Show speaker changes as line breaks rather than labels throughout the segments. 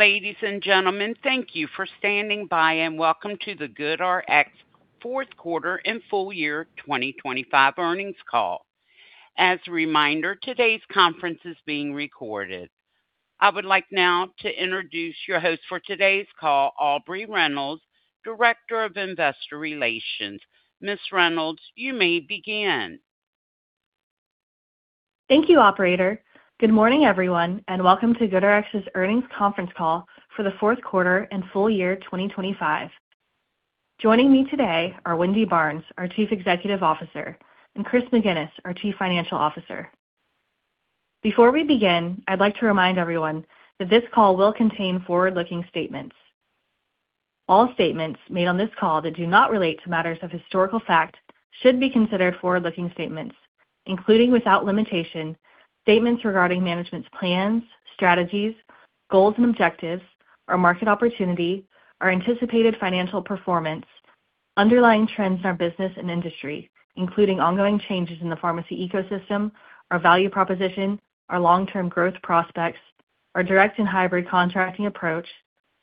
Ladies and gentlemen, thank you for standing by, and welcome to the GoodRx fourth quarter and full year 2025 earnings call. As a reminder, today's conference is being recorded. I would like now to introduce your host for today's call, Aubrey Reynolds, Director of Investor Relations. Ms. Reynolds, you may begin.
Thank you, Operator. Good morning, everyone, and welcome to GoodRx's earnings conference call for the fourth quarter and full year 2025. Joining me today are Wendy Barnes, our Chief Executive Officer, and Chris McGinnis, our Chief Financial Officer. Before we begin, I'd like to remind everyone that this call will contain forward-looking statements. All statements made on this call that do not relate to matters of historical fact should be considered forward-looking statements, including, without limitation, statements regarding management's plans, strategies, goals and objectives, our market opportunity, our anticipated financial performance, underlying trends in our business and industry, including ongoing changes in the pharmacy ecosystem, our value proposition, our long-term growth prospects, our direct and hybrid contracting approach,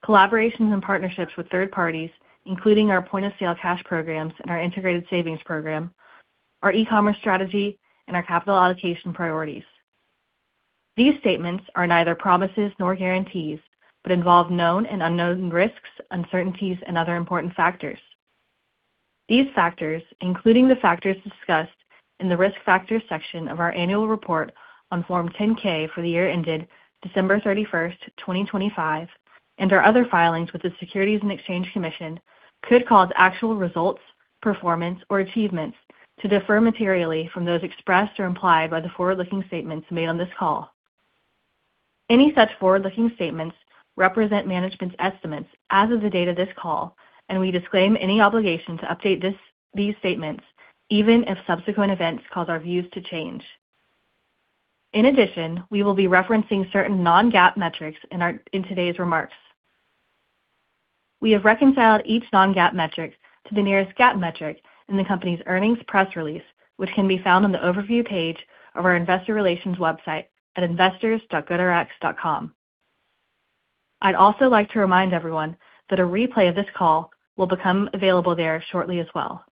collaborations and partnerships with third parties, including our point-of-sale cash programs and our Integrated Savings Program, our e-commerce strategy, and our capital allocation priorities. These statements are neither promises nor guarantees, but involve known and unknown risks, uncertainties, and other important factors. These factors, including the factors discussed in the Risk Factors section of our annual report on Form 10-K for the year ended December 31st, 2025, and our other filings with the Securities and Exchange Commission, could cause actual results, performance, or achievements to differ materially from those expressed or implied by the forward-looking statements made on this call. Any such forward-looking statements represent management's estimates as of the date of this call, and we disclaim any obligation to update these statements, even if subsequent events cause our views to change. In addition, we will be referencing certain non-GAAP metrics in today's remarks. We have reconciled each non-GAAP metric to the nearest GAAP metric in the company's earnings press release, which can be found on the overview page of our Investor Relations website at investors.goodrx.com. I'd also like to remind everyone that a replay of this call will become available there shortly as well.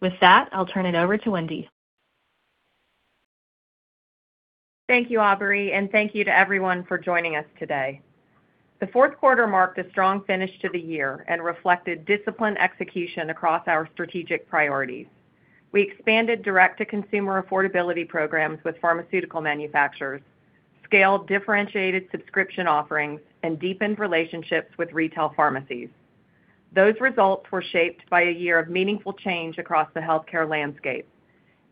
With that, I'll turn it over to Wendy.
Thank you, Aubrey, thank you to everyone for joining us today. The fourth quarter marked a strong finish to the year and reflected disciplined execution across our strategic priorities. We expanded direct-to-consumer affordability programs with pharmaceutical manufacturers, scaled differentiated Subscription Offerings, and deepened relationships with retail pharmacies. Those results were shaped by a year of meaningful change across the healthcare landscape.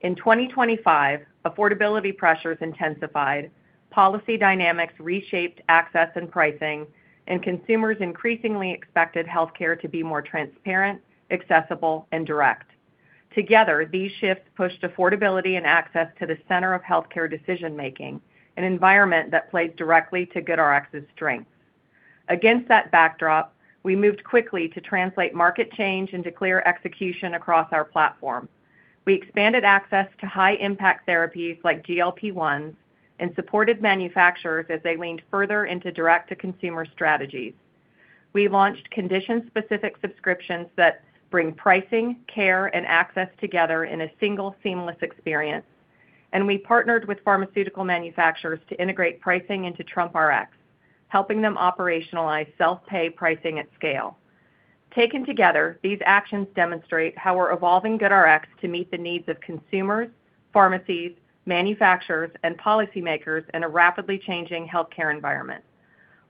In 2025, affordability pressures intensified, policy dynamics reshaped access and pricing, and consumers increasingly expected healthcare to be more transparent, accessible, and direct. Together, these shifts pushed affordability and access to the center of healthcare decision-making, an environment that plays directly to GoodRx's strengths. Against that backdrop, we moved quickly to translate market change into clear execution across our platform. We expanded access to high-impact therapies like GLP-1 and supported manufacturers as they leaned further into direct-to-consumer strategies. We launched condition-specific subscriptions that bring pricing, care, and access together in a single seamless experience. We partnered with pharmaceutical manufacturers to integrate pricing into TrumpRx, helping them operationalize self-pay pricing at scale. Taken together, these actions demonstrate how we're evolving GoodRx to meet the needs of consumers, pharmacies, manufacturers, and policymakers in a rapidly changing healthcare environment.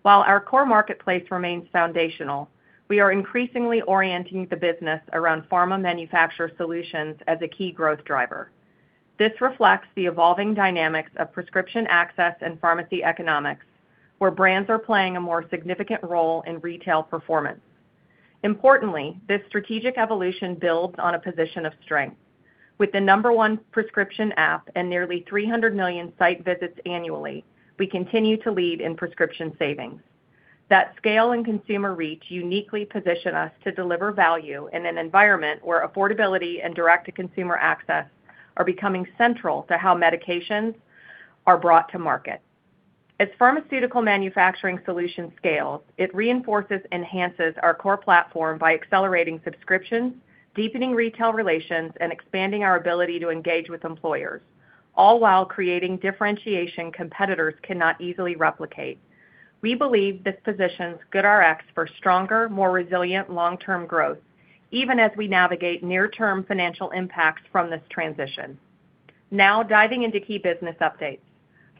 While our core marketplace remains foundational, we are increasingly orienting the business around Pharma Manufacturer Solutions as a key growth driver. This reflects the evolving dynamics of Prescription access and pharmacy economics, where brands are playing a more significant role in retail performance. Importantly, this strategic evolution builds on a position of strength. With the number one Prescription app and nearly 300 million site visits annually, we continue to lead in Prescription savings. That scale and consumer reach uniquely position us to deliver value in an environment where affordability and direct-to-consumer access are becoming central to how medications are brought to market. As Pharma Manufacturer Solutions scales, it enhances our core platform by accelerating Subscriptions, deepening retail relations, and expanding our ability to engage with employers, all while creating differentiation competitors cannot easily replicate. We believe this positions GoodRx for stronger, more resilient long-term growth, even as we navigate near-term financial impacts from this transition. Diving into key business updates.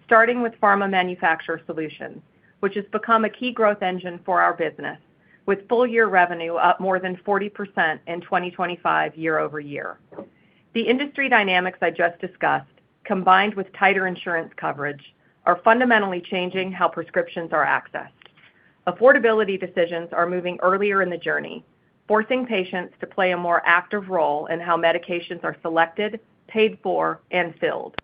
Starting with Pharma Manufacturer Solutions, which has become a key growth engine for our business, with full year revenue up more than 40% in 2025 year-over-year. The industry dynamics I just discussed, combined with tighter insurance coverage, are fundamentally changing how prescriptions are accessed. Affordability decisions are moving earlier in the journey, forcing patients to play a more active role in how medications are selected, paid for, and filled.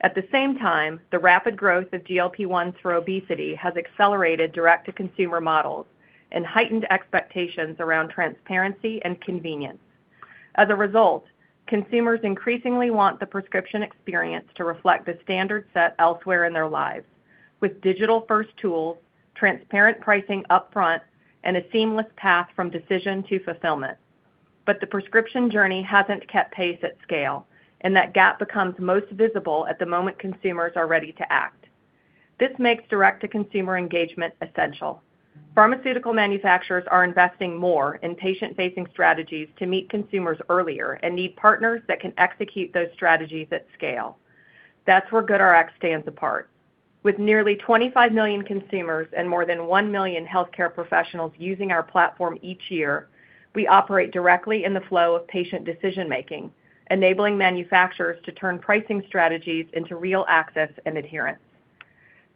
At the same time, the rapid growth of GLP-1 through obesity has accelerated direct-to-consumer models and heightened expectations around transparency and convenience. As a result, consumers increasingly want the Prescription experience to reflect the standard set elsewhere in their lives, with digital-first tools, transparent pricing upfront, and a seamless path from decision to fulfillment. The Prescription journey hasn't kept pace at scale, and that gap becomes most visible at the moment consumers are ready to act. This makes direct-to-consumer engagement essential. Pharmaceutical manufacturers are investing more in patient-facing strategies to meet consumers earlier and need partners that can execute those strategies at scale. That's where GoodRx stands apart. With nearly 25 million consumers and more than 1 million healthcare professionals using our platform each year, we operate directly in the flow of patient decision-making, enabling manufacturers to turn pricing strategies into real access and adherence.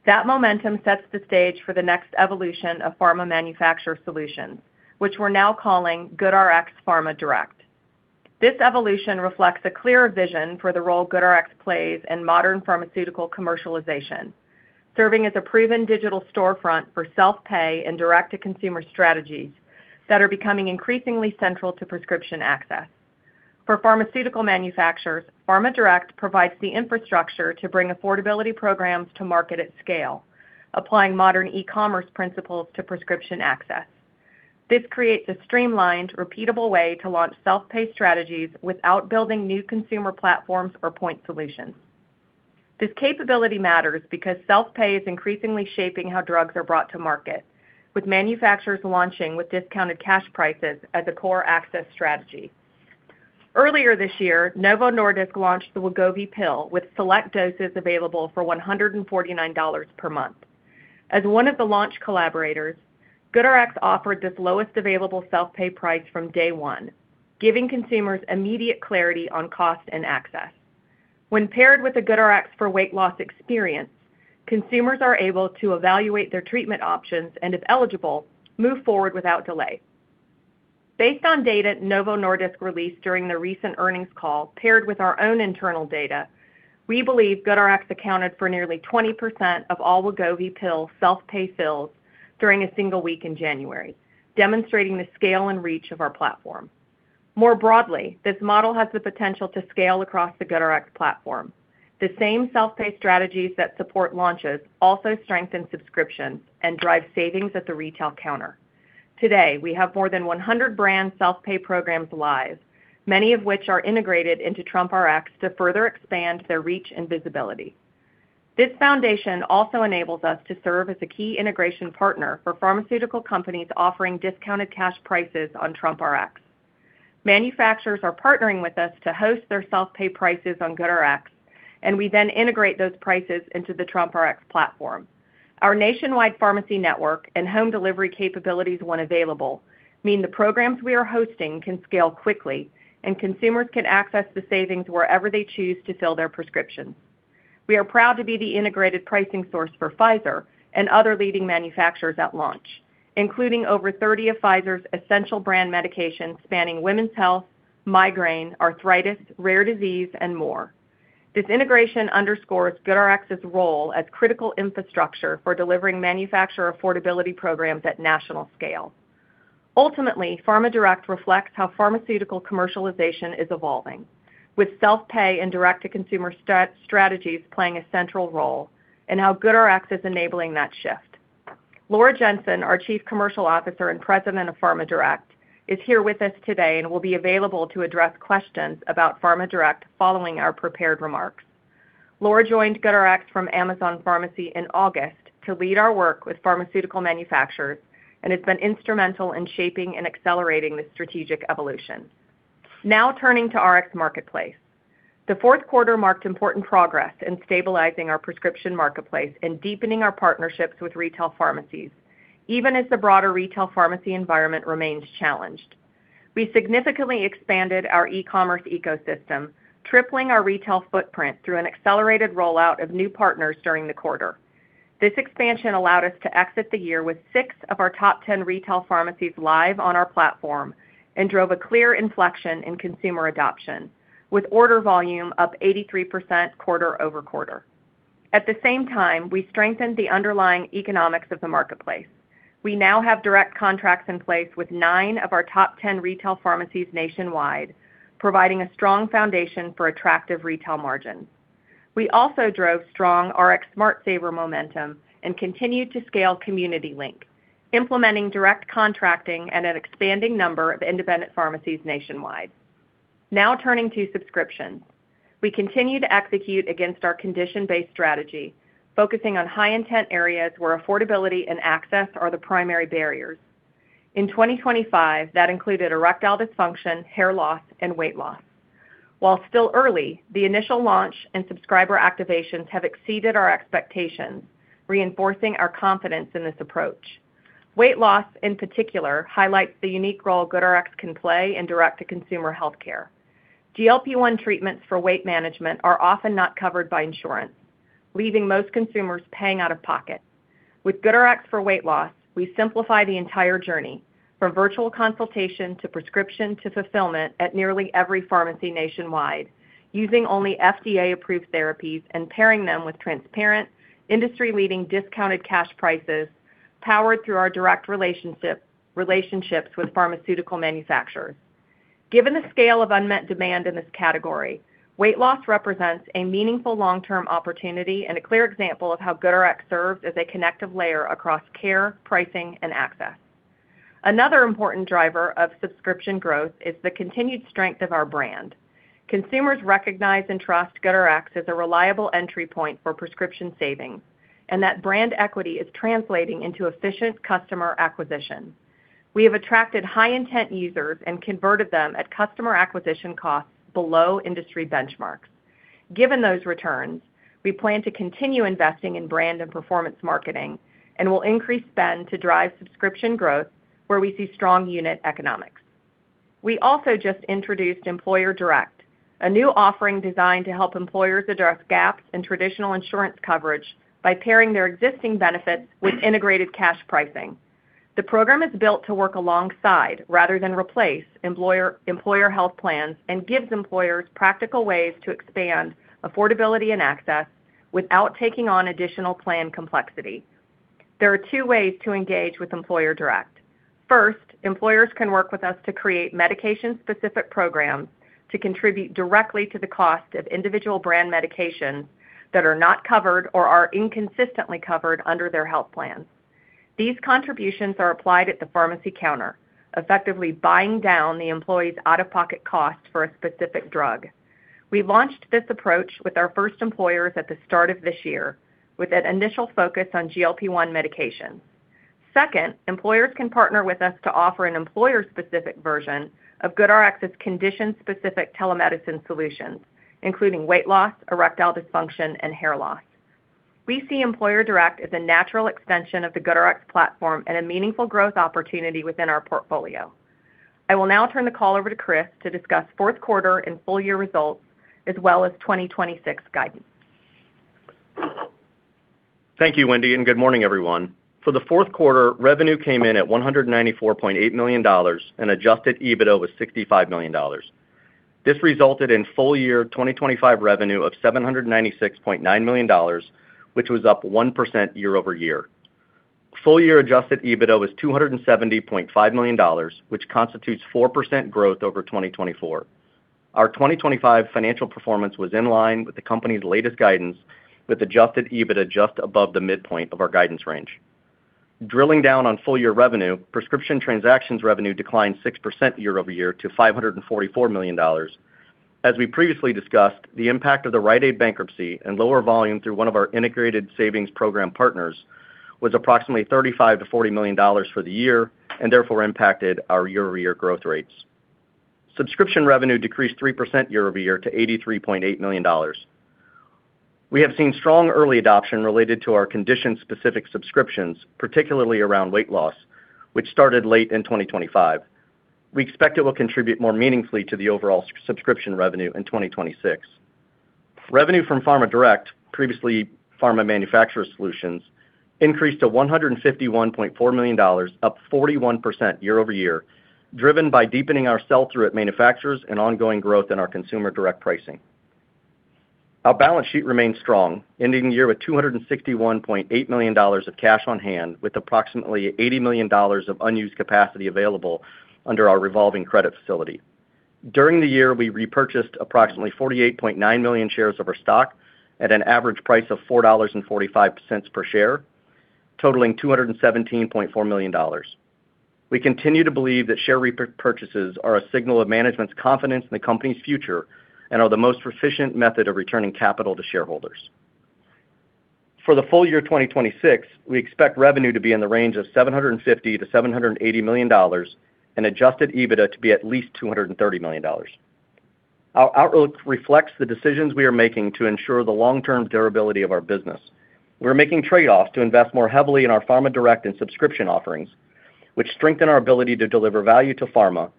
That momentum sets the stage for the next evolution of Pharma Manufacturer Solutions, which we're now calling GoodRx Pharma Direct. This evolution reflects a clear vision for the role GoodRx plays in modern pharmaceutical commercialization, serving as a proven digital storefront for self-pay and direct-to-consumer strategies that are becoming increasingly central to Prescription access. For pharmaceutical manufacturers, Pharma Direct provides the infrastructure to bring affordability programs to market at scale, applying modern e-commerce principles to Prescription access. This creates a streamlined, repeatable way to launch self-pay strategies without building new consumer platforms or point solutions. This capability matters because self-pay is increasingly shaping how drugs are brought to market, with manufacturers launching with discounted cash prices as a core access strategy. Earlier this year, Novo Nordisk launched the Wegovy pill, with select doses available for $149 per month. As one of the launch collaborators, GoodRx offered this lowest available self-pay price from day one, giving consumers immediate clarity on cost and access. When paired with a GoodRx for weight loss experience, consumers are able to evaluate their treatment options, and, if eligible, move forward without delay. Based on data Novo Nordisk released during the recent earnings call, paired with our own internal data, we believe GoodRx accounted for nearly 20% of all Wegovy pill self-pay fills during a single week in January, demonstrating the scale and reach of our platform. More broadly, this model has the potential to scale across the GoodRx platform. The same self-pay strategies that support launches also strengthen Subscriptions and drive savings at the retail counter. Today, we have more than 100 brand self-pay programs live, many of which are integrated into TrumpRx to further expand their reach and visibility. This foundation also enables us to serve as a key integration partner for pharmaceutical companies offering discounted cash prices on TrumpRx. Manufacturers are partnering with us to host their self-pay prices on GoodRx. We then integrate those prices into the TrumpRx platform. Our nationwide pharmacy network and home delivery capabilities, when available, mean the programs we are hosting can scale quickly and consumers can access the savings wherever they choose to fill their prescriptions. We are proud to be the integrated pricing source for Pfizer and other leading manufacturers at launch, including over 30 of Pfizer's essential brand medications, spanning women's health, migraine, arthritis, rare disease, and more. This integration underscores GoodRx's role as critical infrastructure for delivering manufacturer affordability programs at national scale. Pharma Direct reflects how pharmaceutical commercialization is evolving, with self-pay and direct-to-consumer strategies playing a central role, and how GoodRx is enabling that shift. Laura Jensen, our Chief Commercial Officer and President of Pharma Direct, is here with us today and will be available to address questions about Pharma Direct following our prepared remarks. Laura joined GoodRx from Amazon Pharmacy in August 2025 to lead our work with pharmaceutical manufacturers, and has been instrumental in shaping and accelerating this strategic evolution. Turning to Rx Marketplace. The fourth quarter marked important progress in stabilizing our Prescription marketplace and deepening our partnerships with retail pharmacies, even as the broader retail pharmacy environment remains challenged. We significantly expanded our e-commerce ecosystem, tripling our retail footprint through an accelerated rollout of new partners during the quarter. This expansion allowed us to exit the year with six of our top 10 retail pharmacies live on our platform and drove a clear inflection in consumer adoption, with order volume up 83% quarter-over-quarter. At the same time, we strengthened the underlying economics of the marketplace. We now have direct contracts in place with nine of our top 10 retail pharmacies nationwide, providing a strong foundation for attractive retail margins. We also drove strong RxSmartSaver momentum and continued to scale Community Link, implementing direct contracting at an expanding number of independent pharmacies nationwide. Turning to Subscriptions. We continue to execute against our condition-based strategy, focusing on high intent areas where affordability and access are the primary barriers. In 2025, that included erectile dysfunction, hair loss, and weight loss. While still early, the initial launch and subscriber activations have exceeded our expectations, reinforcing our confidence in this approach. Weight loss, in particular, highlights the unique role GoodRx can play in direct-to-consumer healthcare. GLP-1 treatments for weight management are often not covered by insurance, leaving most consumers paying out of pocket. With GoodRx for weight loss, we simplify the entire journey, from virtual consultation to Prescription to fulfillment, at nearly every pharmacy nationwide, using only FDA-approved therapies and pairing them with transparent, industry-leading, discounted cash prices.... powered through our direct relationships with pharmaceutical manufacturers. Given the scale of unmet demand in this category, weight loss represents a meaningful long-term opportunity and a clear example of how GoodRx serves as a connective layer across care, pricing, and access. Another important driver of Subscription growth is the continued strength of our brand. Consumers recognize and trust GoodRx as a reliable entry point for Prescription savings. That brand equity is translating into efficient customer acquisition. We have attracted high intent users and converted them at customer acquisition costs below industry benchmarks. Given those returns, we plan to continue investing in brand and performance marketing and will increase spend to drive Subscription growth where we see strong unit economics. We also just introduced Employer Direct, a new offering designed to help employers address gaps in traditional insurance coverage by pairing their existing benefits with integrated cash pricing. The program is built to work alongside, rather than replace, employer health plans and gives employers practical ways to expand affordability and access without taking on additional plan complexity. There are two ways to engage with Employer Direct. First, employers can work with us to create medication-specific programs to contribute directly to the cost of individual brand medications that are not covered or are inconsistently covered under their health plans. These contributions are applied at the pharmacy counter, effectively buying down the employee's out-of-pocket costs for a specific drug. We launched this approach with our first employers at the start of this year, with an initial focus on GLP-1 medications. Second, employers can partner with us to offer an employer-specific version of GoodRx's condition-specific telemedicine solutions, including weight loss, erectile dysfunction, and hair loss. We see Employer Direct as a natural extension of the GoodRx platform and a meaningful growth opportunity within our portfolio. I will now turn the call over to Chris to discuss fourth quarter and full year results, as well as 2026 guidance.
Thank you, Wendy, and good morning, everyone. For the fourth quarter, revenue came in at $194.8 million, and Adjusted EBITDA was $65 million. This resulted in full year 2025 revenue of $796.9 million, which was up 1% year-over-year. Full year Adjusted EBITDA was $270.5 million, which constitutes 4% growth over 2024. Our 2025 financial performance was in line with the company's latest guidance, with Adjusted EBITDA just above the midpoint of our guidance range. Drilling down on full year revenue, revenue declined 6% year-over-year to $544 million. As we previously discussed, the impact of the Rite Aid bankruptcy and lower volume through one of our Integrated Savings Program partners was approximately $35 million-$40 million for the year and therefore impacted our year-over-year growth rates. Subscription revenue decreased 3% year-over-year to $83.8 million. We have seen strong early adoption related to our condition-specific subscriptions, particularly around weight loss, which started late in 2025. We expect it will contribute more meaningfully to the overall Subscription revenue in 2026. Revenue from Pharma Direct, previously Pharma Manufacturer Solutions, increased to $151.4 million, up 41% year-over-year, driven by deepening our sell-through at manufacturers and ongoing growth in our consumer direct pricing. Our balance sheet remains strong, ending the year with $261.8 million of cash on hand, with approximately $80 million of unused capacity available under our revolving credit facility. During the year, we repurchased approximately 48.9 million shares of our stock at an average price of $4.45 per share, totaling $217.4 million. We continue to believe that share repurchases are a signal of management's confidence in the company's future and are the most efficient method of returning capital to shareholders. For the full year 2026, we expect revenue to be in the range of $750 million-$780 million and Adjusted EBITDA to be at least $230 million. Our outlook reflects the decisions we are making to ensure the long-term durability of our business. We're making trade-offs to invest more heavily in our Pharma Direct and Subscription Offerings, which strengthen our ability to deliver value to Pharma,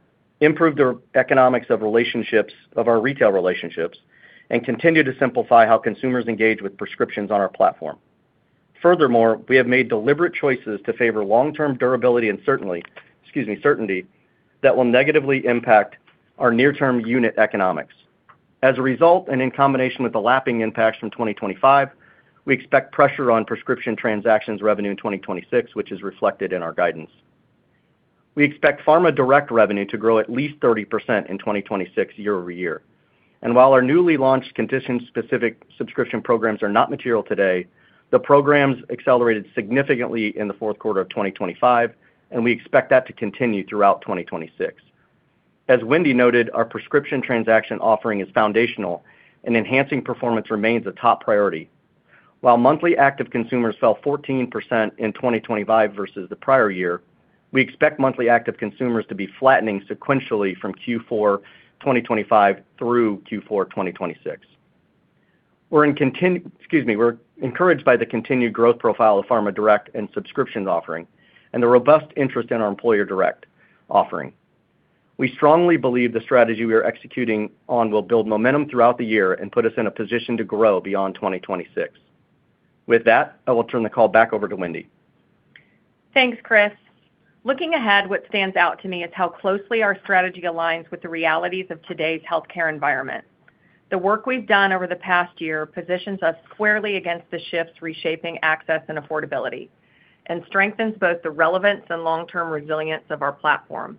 improve the economics of our retail relationships, and continue to simplify how consumers engage with Prescription on our platform. Furthermore, we have made deliberate choices to favor long-term durability and certainly, excuse me, certainty, that will negatively impact our near-term unit economics. As a result, and in combination with the lapping impacts from 2025, we expect pressure on revenue in 2026, which is reflected in our guidance. We expect Pharma Direct revenue to grow at least 30% in 2026 year-over-year. While our newly launched condition-specific subscription programs are not material today, the programs accelerated significantly in the fourth quarter of 2025, and we expect that to continue throughout 2026. As Wendy noted, our Prescription Transaction offering is foundational and enhancing performance remains a top priority. While Monthly Active Consumers fell 14% in 2025 versus the prior year, we expect Monthly Active Consumers to be flattening sequentially from Q4 2025 through Q4 2026. We're encouraged by the continued growth profile of Pharma Direct and Subscriptions Offering and the robust interest in our Employer Direct offering. We strongly believe the strategy we are executing on will build momentum throughout the year and put us in a position to grow beyond 2026. With that, I will turn the call back over to Wendy.
Thanks, Chris. Looking ahead, what stands out to me is how closely our strategy aligns with the realities of today's healthcare environment. The work we've done over the past year positions us squarely against the shifts, reshaping access and affordability, and strengthens both the relevance and long-term resilience of our platform.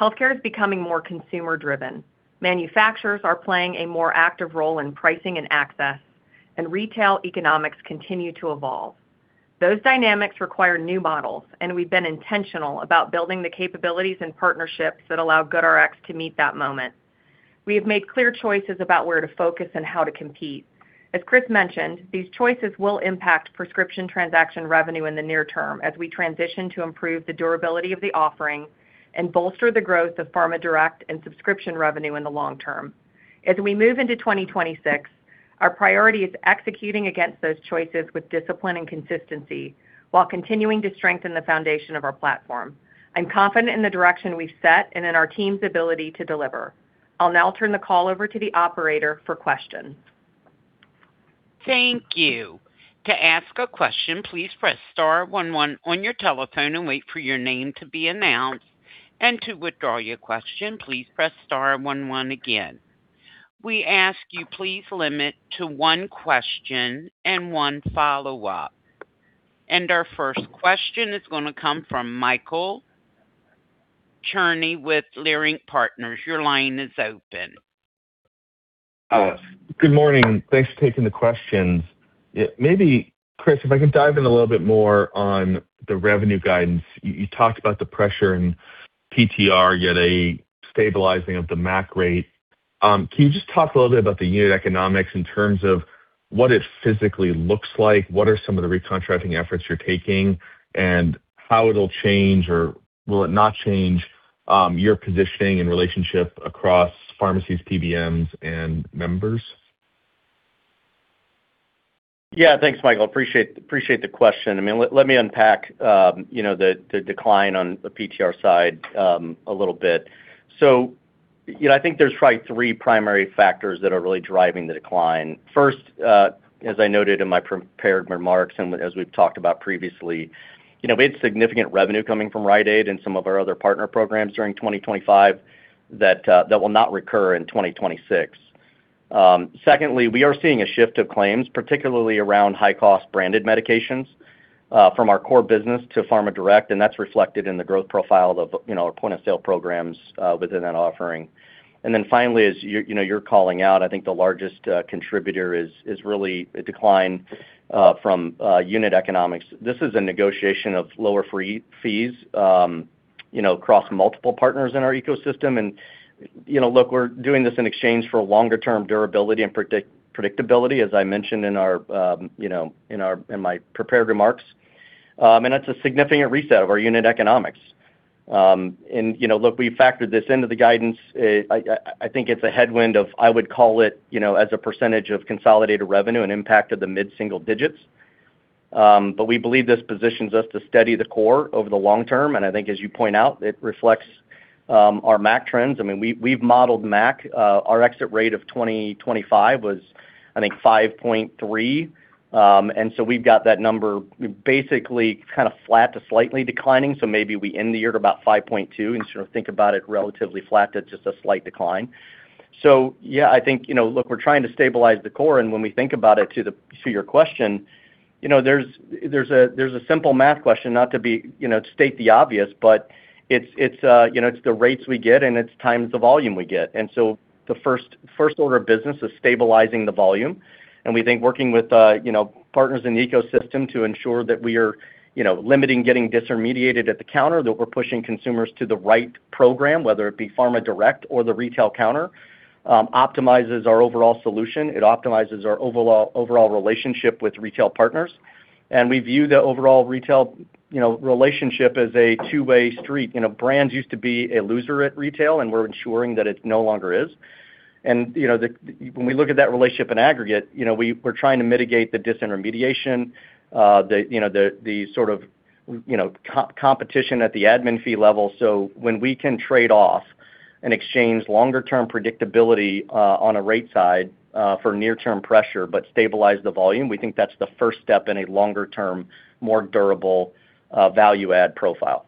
Healthcare is becoming more consumer driven. Manufacturers are playing a more active role in pricing and access. Retail economics continue to evolve. Those dynamics require new models. We've been intentional about building the capabilities and partnerships that allow GoodRx to meet that moment. We have made clear choices about where to focus and how to compete. As Chris mentioned, these choices will impact Prescription Transaction revenue in the near term as we transition to improve the durability of the offering and bolster the growth of Pharma Direct and Subscription revenue in the long term. As we move into 2026, our priority is executing against those choices with discipline and consistency, while continuing to strengthen the foundation of our platform. I'm confident in the direction we've set and in our team's ability to deliver. I'll now turn the call over to the operator for questions.
Thank you. To ask a question, please press star one one on your telephone and wait for your name to be announced, and to withdraw your question, please press star one one again. We ask you, please limit to one question and one follow-up. Our first question is gonna come from Michael Cherny with Leerink Partners. Your line is open.
Good morning. Thanks for taking the questions. Maybe, Chris, if I can dive in a little bit more on the revenue guidance. You talked about the pressure in PTR, yet a stabilizing of the MAC rate. Can you just talk a little bit about the unit economics in terms of what it physically looks like? What are some of the recontracting efforts you're taking, and how it'll change, or will it not change, your positioning and relationship across pharmacies, PBMs, and members?
Yeah, thanks, Michael. Appreciate the question. I mean, let me unpack, you know, the decline on the PTR side, a little bit. You know, I think there's probably three primary factors that are really driving the decline. First, as I noted in my prepared remarks and as we've talked about previously, you know, we had significant revenue coming from Rite Aid and some of our other partner programs during 2025, that will not recur in 2026. Secondly, we are seeing a shift of claims, particularly around high-cost branded medications, from our core business to Pharma Direct, and that's reflected in the growth profile of, you know, our point-of-sale programs, within that offering. Finally, as you're, you know, calling out, I think the largest contributor is really a decline from unit economics. This is a negotiation of lower fees, you know, across multiple partners in our ecosystem. You know, look, we're doing this in exchange for longer-term durability and predictability, as I mentioned in our, you know, in my prepared remarks. That's a significant reset of our unit economics. You know, look, we factored this into the guidance. I think it's a headwind of I would call it, you know, as a percentage of consolidated revenue and impact of the mid-single digits. We believe this positions us to steady the core over the long term, and I think as you point out, it reflects our MAC trends. I mean, we've modeled MAC. Our exit rate of 2025 was, I think, 5.3. We've got that number basically kind of flat to slightly declining. Maybe we end the year at about 5.2 and sort of think about it relatively flat to just a slight decline. Yeah, I think, you know, look, we're trying to stabilize the core, when we think about it to your question, you know, there's a simple math question, not to be, you know, to state the obvious, but it's, you know, it's the rates we get, and it's times the volume we get. The first order of business is stabilizing the volume. We think working with, you know, partners in the ecosystem to ensure that we are, you know, limiting getting disintermediated at the counter, that we're pushing consumers to the right program, whether it be Pharma Direct or the retail counter, optimizes our overall solution. It optimizes our overall relationship with retail partners. We view the overall retail, you know, relationship as a two-way street. You know, brands used to be a loser at retail, and we're ensuring that it no longer is. When we look at that relationship in aggregate, you know, we're trying to mitigate the disintermediation, the, you know, the sort of, you know, competition at the admin fee level. When we can trade off and exchange longer term predictability, on a rate side, for near-term pressure, but stabilize the volume, we think that's the first step in a longer term, more durable, value add profile.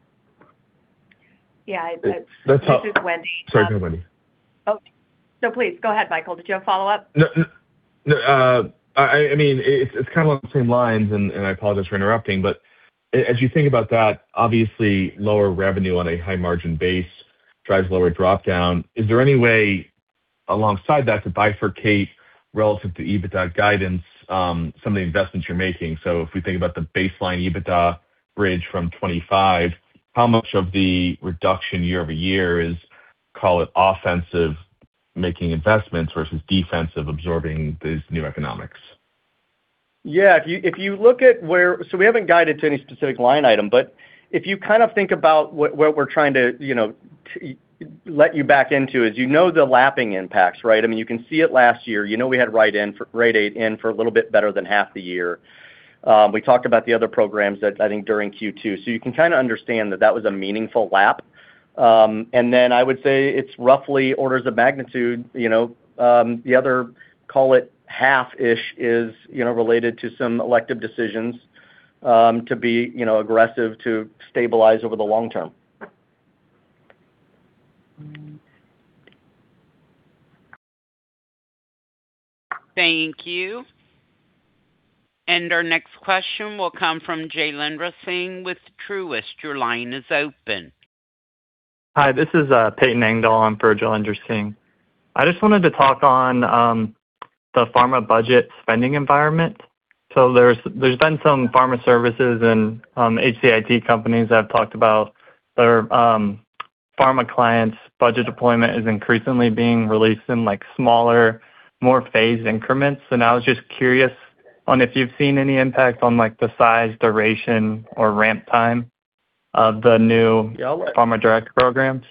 Yeah, it's.
Let's talk-
This is Wendy.
Sorry, go Wendy.
Oh, please go ahead, Michael. Did you have a follow-up?
No, no. I mean, it's kind of on the same lines, and I apologize for interrupting, but as you think about that, obviously lower revenue on a high margin base drives lower drop-down. Is there any way alongside that to bifurcate relative to EBITDA guidance, some of the investments you're making? If we think about the baseline EBITDA bridge from 2025, how much of the reduction year-over-year is, call it, offensive, making investments versus defensive, absorbing these new economics?
If you, if you look at so we haven't guided to any specific line item, but if you kind of think about what we're trying to, you know, let you back into is, you know, the lapping impacts, right? I mean, you can see it last year. You know, we had Rite Aid in for a little bit better than half the year. We talked about the other programs that, I think, during Q2. You can kinda understand that that was a meaningful lap. Then I would say it's roughly orders of magnitude, you know, the other, call it half-ish, is, you know, related to some elective decisions, to be, you know, aggressive, to stabilize over the long term.
Thank you. Our next question will come from Jailendra Singh with Truist. Your line is open.
Hi, this is Payton Engdahl in for Jailendra Singh. I just wanted to talk on the Pharma budget spending environment. There's been some Pharma services and HCIT companies that have talked about their Pharma clients' budget deployment is increasingly being released in, like, smaller, more phased increments. I was just curious on if you've seen any impact on, like, the size, duration, or ramp time of the new Pharma Direct programs?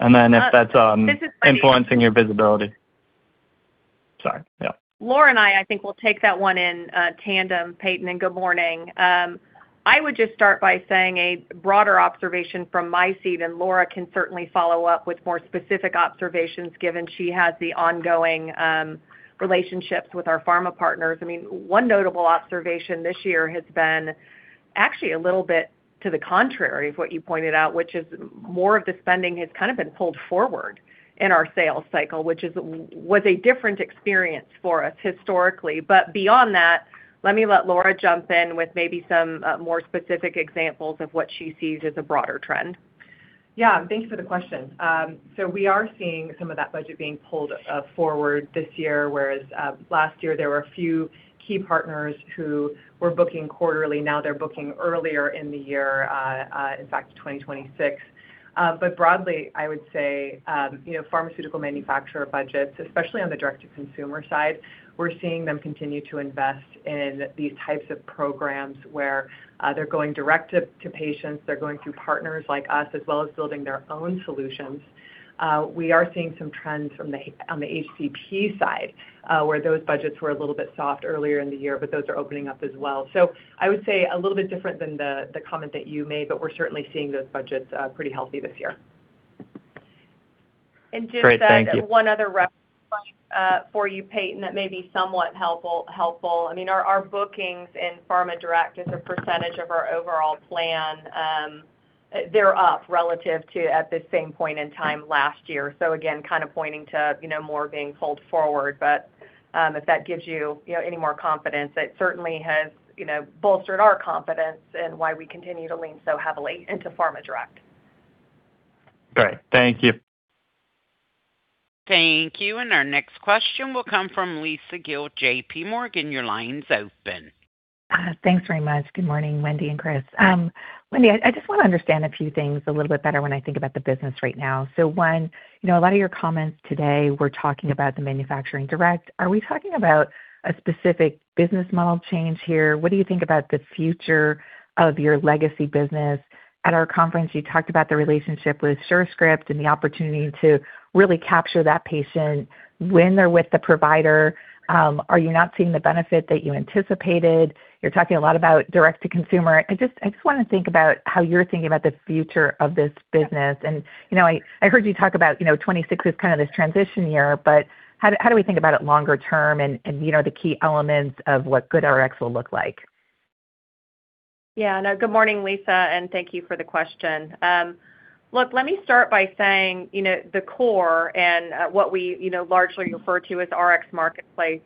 If that's influencing your visibility. Sorry. Yeah.
Laura and I think, will take that one in tandem, Payton, and good morning. I would just start by saying a broader observation from my seat, and Laura can certainly follow up with more specific observations, given she has the ongoing relationships with our Pharma partners. I mean, one notable observation this year has been actually a little bit to the contrary of what you pointed out, which is more of the spending has kind of been pulled forward in our sales cycle, which was a different experience for us historically. Beyond that, let me let Laura jump in with maybe some more specific examples of what she sees as a broader trend.
Yeah, thank you for the question. We are seeing some of that budget being pulled forward this year, whereas last year there were a few key partners who were booking quarterly. Now they're booking earlier in the year, in fact, 2026. Broadly, I would say, pharmaceutical manufacturer budgets, especially on the direct-to-consumer side, we're seeing them continue to invest in these types of programs where they're going direct to patients, they're going through partners like us, as well as building their own solutions. We are seeing some trends on the HCP side, where those budgets were a little bit soft earlier in the year, but those are opening up as well. I would say a little bit different than the comment that you made, but we're certainly seeing those budgets pretty healthy this year.
Great. Thank you.
Just one other rough for you, Payton, that may be somewhat helpful. I mean, our bookings in Pharma Direct as a percentage of our overall plan, they're up relative to at the same point in time last year. Again, kind of pointing to, you know, more being pulled forward. If that gives you know, any more confidence, it certainly has, you know, bolstered our confidence in why we continue to lean so heavily into Pharma Direct.
Great. Thank you.
Thank you. Our next question will come from Lisa Gill, JPMorgan. Your line's open.
Thanks very much. Good morning, Wendy and Chris. Wendy, I just want to understand a few things a little bit better when I think about the business right now. One, you know, a lot of your comments today were talking about the manufacturing direct. Are we talking about a specific business model change here? What do you think about the future of your legacy business? At our conference, you talked about the relationship with Surescripts and the opportunity to really capture that patient when they're with the provider. Are you not seeing the benefit that you anticipated? You're talking a lot about direct-to-consumer. I just wanna think about how you're thinking about the future of this business. You know, I heard you talk about, you know, 2026 as kind of this transition year, but how do we think about it longer term and, you know, the key elements of what GoodRx will look like?
Yeah, no, good morning, Lisa. Thank you for the question. Look, let me start by saying, you know, the core and what we, you know, largely refer to as Rx Marketplace,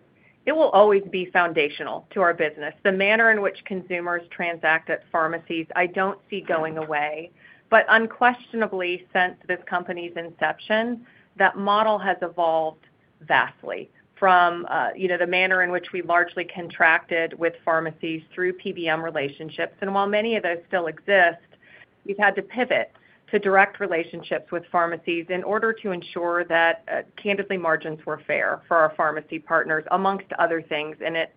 it will always be foundational to our business. The manner in which consumers transact at pharmacies, I don't see going away. Unquestionably, since this company's inception, that model has evolved vastly from, you know, the manner in which we largely contracted with pharmacies through PBM relationships. While many of those still exist, we've had to pivot to direct relationships with pharmacies in order to ensure that, candidly, margins were fair for our pharmacy partners, amongst other things, and it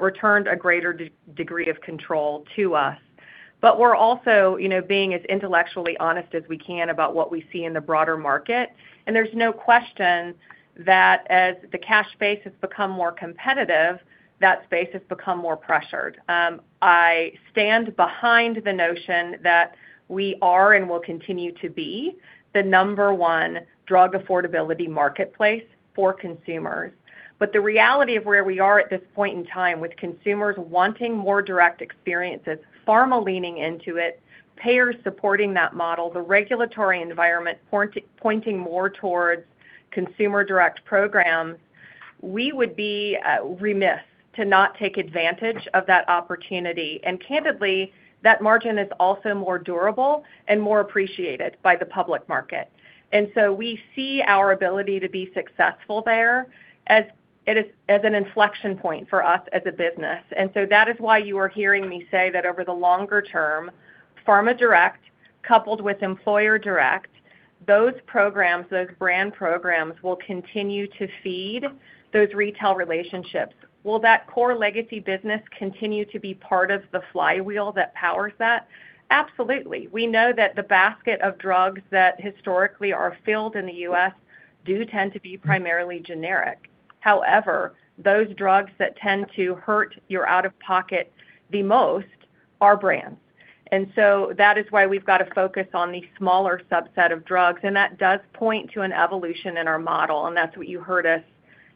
returned a greater degree of control to us. We're also, you know, being as intellectually honest as we can about what we see in the broader market. There's no question that as the cash space has become more competitive, that space has become more pressured. I stand behind the notion that we are and will continue to be the number one drug affordability marketplace for consumers. The reality of where we are at this point in time, with consumers wanting more direct experiences, Pharma leaning into it, payers supporting that model, the regulatory environment pointing more towards consumer direct programs, we would be remiss to not take advantage of that opportunity. Candidly, that margin is also more durable and more appreciated by the public market. We see our ability to be successful there as it is, as an inflection point for us as a business. That is why you are hearing me say that over the longer term, Pharma Direct, coupled with Employer Direct, those programs, those brand programs, will continue to feed those retail relationships. Will that core legacy business continue to be part of the flywheel that powers that? Absolutely. We know that the basket of drugs that historically are filled in the U.S. do tend to be primarily generic. However, those drugs that tend to hurt your out-of-pocket the most are brands. That is why we've got to focus on the smaller subset of drugs, and that does point to an evolution in our model, and that's what you heard us,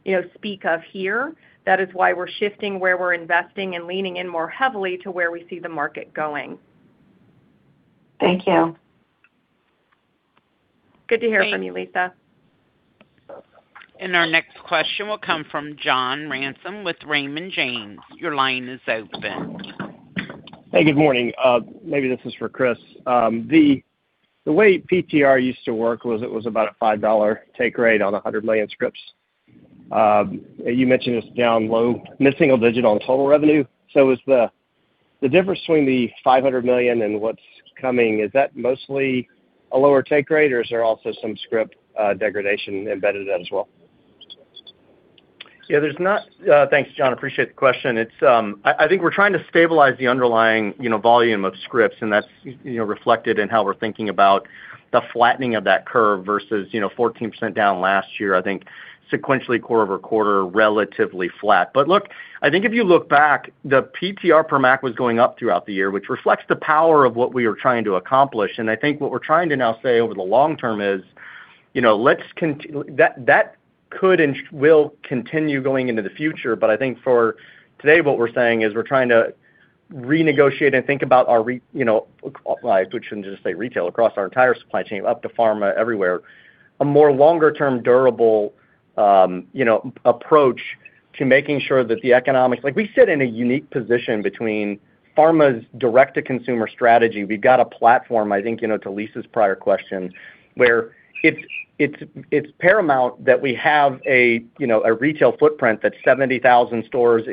you know, speak of here. That is why we're shifting where we're investing and leaning in more heavily to where we see the market going.
Thank you.
Good to hear from you, Lisa.
Our next question will come from John Ransom with Raymond James. Your line is open.
Good morning. Maybe this is for Chris. The way PTR used to work was it was about a $5 take rate on 100 million scripts. You mentioned it's down low, missing a digit on total revenue. Is the difference between the $500 million and what's coming, is that mostly a lower take rate, or is there also some script degradation embedded in that as well?
Yeah, there's not. Thanks, John. Appreciate the question. It's, I think we're trying to stabilize the underlying, you know, volume of scripts, and that's, you know, reflected in how we're thinking about the flattening of that curve versus, you know, 14% down last year. I think sequentially, quarter-over-quarter, relatively flat. Look, I think if you look back, the PTR per MAC was going up throughout the year, which reflects the power of what we were trying to accomplish. I think what we're trying to now say over the long term is, you know, let's that could and will continue going into the future. I think for today, what we're saying is we're trying to renegotiate and think about our you know, well, I shouldn't just say retail, across our entire supply chain, up to Pharma, everywhere, a more longer-term durable, you know, approach to making sure that the economics. Like, we sit in a unique position between pharma's direct-to-consumer strategy. We've got a platform, I think, you know, to Lisa's prior question, where it's, it's paramount that we have a, you know, a retail footprint that's 70,000 stores,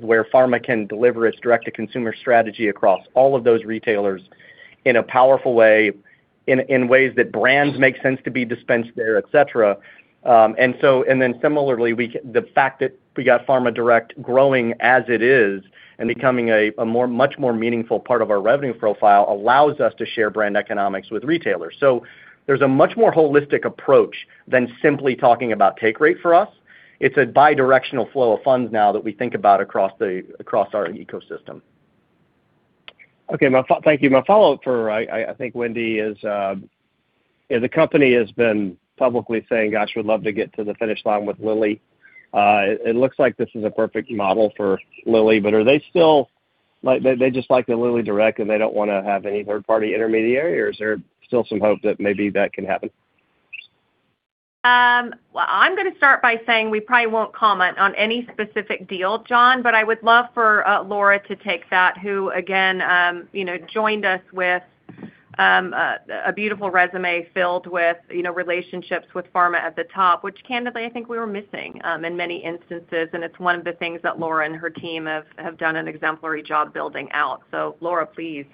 where Pharma can deliver its direct-to-consumer strategy across all of those retailers in a powerful way, in ways that brands make sense to be dispensed there, et cetera. Similarly, the fact that we got Pharma Direct growing as it is and becoming a much more meaningful part of our revenue profile, allows us to share brand economics with retailers. There's a much more holistic approach than simply talking about take rate for us. It's a bidirectional flow of funds now that we think about across the, across our ecosystem.
Thank you. My follow-up for, I think Wendy is, the company has been publicly saying, "Gosh, we'd love to get to the finish line with Lilly." It looks like this is a perfect model for Lilly, but are they still, like, they just like the LillyDirect, and they don't wanna have any third-party intermediary, or is there still some hope that maybe that can happen?
Well, I'm gonna start by saying we probably won't comment on any specific deal, John Ransom, but I would love for Laura Jensen to take that, who, again, you know, joined us with a beautiful resume filled with, you know, relationships with Pharma at the top, which candidly, I think we were missing in many instances. It's one of the things that Laura Jensen and her team have done an exemplary job building out. Laura Jensen, please,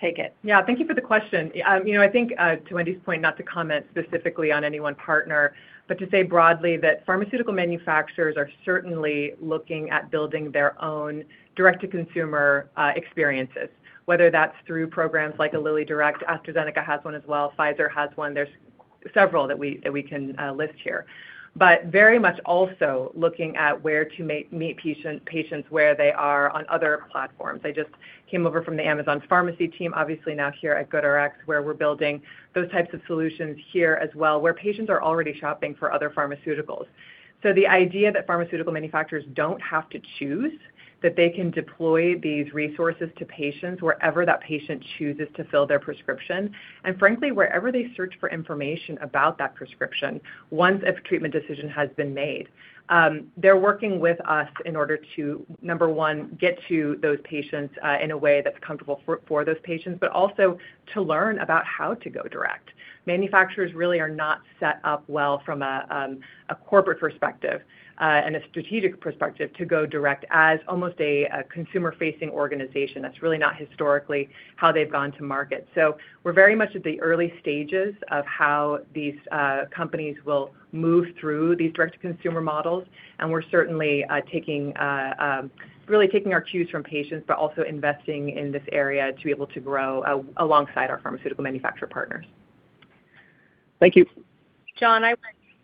take it.
Yeah. Thank you for the question. you know, I think to Wendy's point, not to comment specifically on any one partner, but to say broadly that pharmaceutical manufacturers are certainly looking at building their own direct-to-consumer experiences, whether that's through programs like a Lilly Direct, AstraZeneca has one as well, Pfizer has one. There's several that we can list here. Very much also looking at where to meet patients where they are on other platforms. I just came over from the Amazon Pharmacy team, obviously now here at GoodRx, where we're building those types of solutions here as well, where patients are already shopping for other pharmaceuticals. The idea that pharmaceutical manufacturers don't have to choose, that they can deploy these resources to patients wherever that patient chooses to fill their prescription, and frankly, wherever they search for information about that prescription, once a treatment decision has been made. They're working with us in order to, number one, get to those patients in a way that's comfortable for those patients, but also to learn about how to go direct. Manufacturers really are not set up well from a corporate perspective, and a strategic perspective, to go direct as almost a consumer-facing organization. That's really not historically how they've gone to market. We're very much at the early stages of how these companies will move through these direct-to-consumer models, and we're certainly taking really taking our cues from patients, but also investing in this area to be able to grow alongside our pharmaceutical manufacturer partners.
Thank you.
John,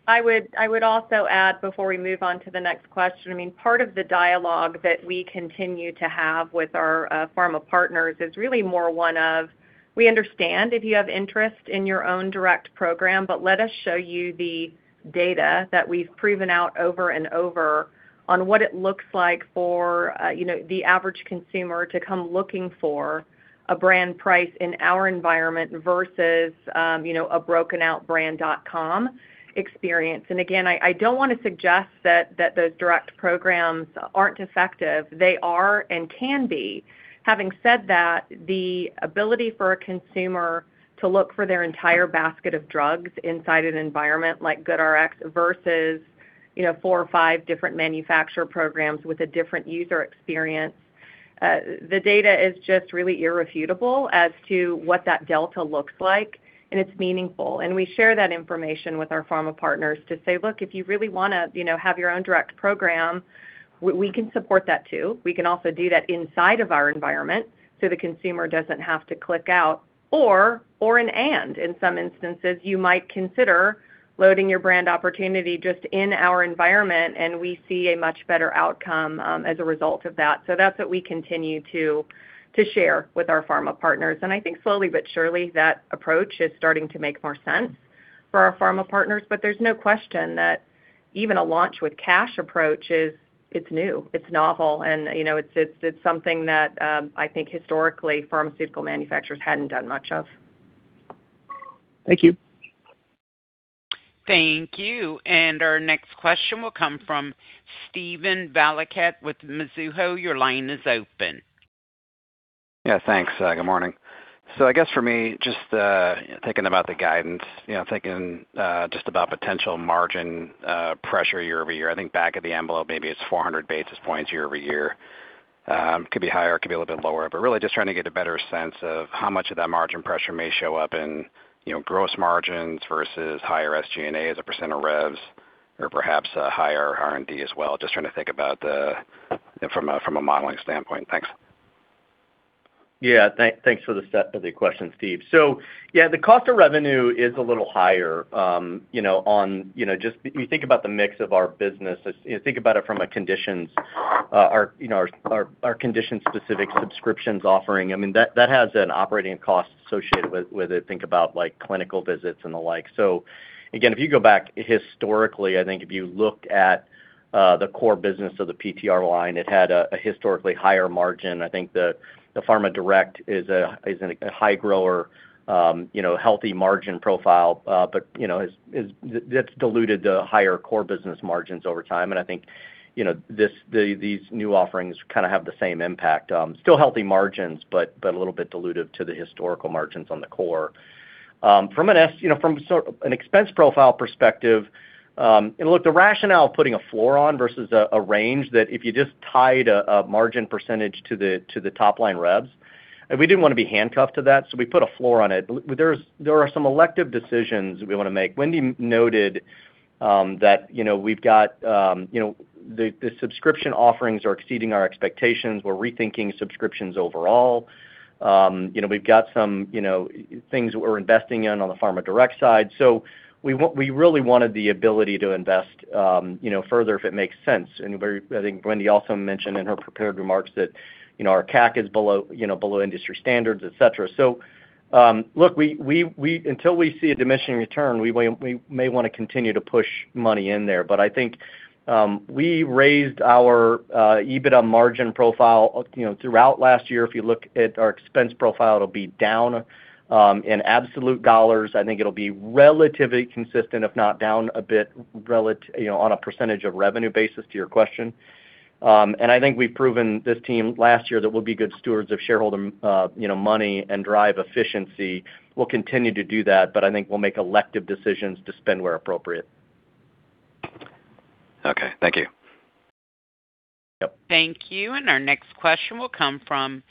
I would also add before we move on to the next question, I mean, part of the dialogue that we continue to have with our Pharma partners is really more one of, "We understand if you have interest in your own direct program, but let us show you the data that we've proven out over and over on what it looks like for, you know, the average consumer to come looking for a brand price in our environment versus, you know, a broken-out brand.com experience." Again, I don't wanna suggest that those direct programs aren't effective. They are and can be. Having said that, the ability for a consumer to look for their entire basket of drugs inside an environment like GoodRx versus, you know, four or five different manufacturer programs with a different user experience, the data is just really irrefutable as to what that delta looks like, and it's meaningful. We share that information with our Pharma partners to say, "Look, if you really wanna, you know, have your own direct program, we can support that, too. We can also do that inside of our environment, so the consumer doesn't have to click out, or, and in some instances, you might consider loading your brand opportunity just in our environment, and we see a much better outcome, as a result of that." That's what we continue to share with our Pharma partners. I think slowly but surely, that approach is starting to make more sense for our Pharma partners. There's no question that…... even a launch with cash approach is, it's new, it's novel, and, you know, it's something that, I think historically, pharmaceutical manufacturers hadn't done much of.
Thank you.
Thank you. Our next question will come from Steven Valiquette with Mizuho. Your line is open.
Yeah, thanks. Good morning. I guess for me, just thinking about the guidance, you know, thinking just about potential margin pressure year-over-year, I think back of the envelope, maybe it's 400 basis points year-over-year. Could be higher, could be a little bit lower, but really just trying to get a better sense of how much of that margin pressure may show up in, you know, gross margins versus higher SG&A as a percent of revs or perhaps a higher R&D as well. Just trying to think about from a modeling standpoint. Thanks.
Thanks for the question, Steve. The cost of revenue is a little higher, you know, on, you know, just you think about the mix of our business, think about it from a conditions, our, you know, our condition-specific Subscriptions Offering. I mean, that has an operating cost associated with it. Think about, like, clinical visits and the like. Again, if you go back historically, I think if you looked at the core business of the PTR line, it had a historically higher margin. I think the Pharma Direct is a high grower, you know, healthy margin profile, but, you know, that's diluted the higher core business margins over time. I think, you know, these new offerings kind of have the same impact. Still healthy margins, but a little bit dilutive to the historical margins on the core. From an expense profile perspective, look, the rationale of putting a floor on versus a range that if you just tied a margin percentage to the top line revs, we didn't want to be handcuffed to that, so we put a floor on it. There are some elective decisions we want to make. Wendy noted that, you know, we've got, you know, the Subscription Offerings are exceeding our expectations. We're rethinking Subscriptions overall. You know, we've got some, you know, things we're investing in on the Pharma Direct side. We really wanted the ability to invest, you know, further, if it makes sense. Very, I think Wendy also mentioned in her prepared remarks that, you know, our CAC is below, you know, below industry standards, et cetera. Look, we, until we see a diminishing return, we may want to continue to push money in there. I think we raised our EBITDA margin profile, you know, throughout last year. If you look at our expense profile, it'll be down in absolute dollars. I think it'll be relatively consistent, if not down a bit, you know, on a percentage of revenue basis, to your question. I think we've proven this team last year that we'll be good stewards of shareholder, you know, money and drive efficiency. We'll continue to do that, but I think we'll make elective decisions to spend where appropriate.
Okay, thank you.
Yep.
Thank you. Our next question will come from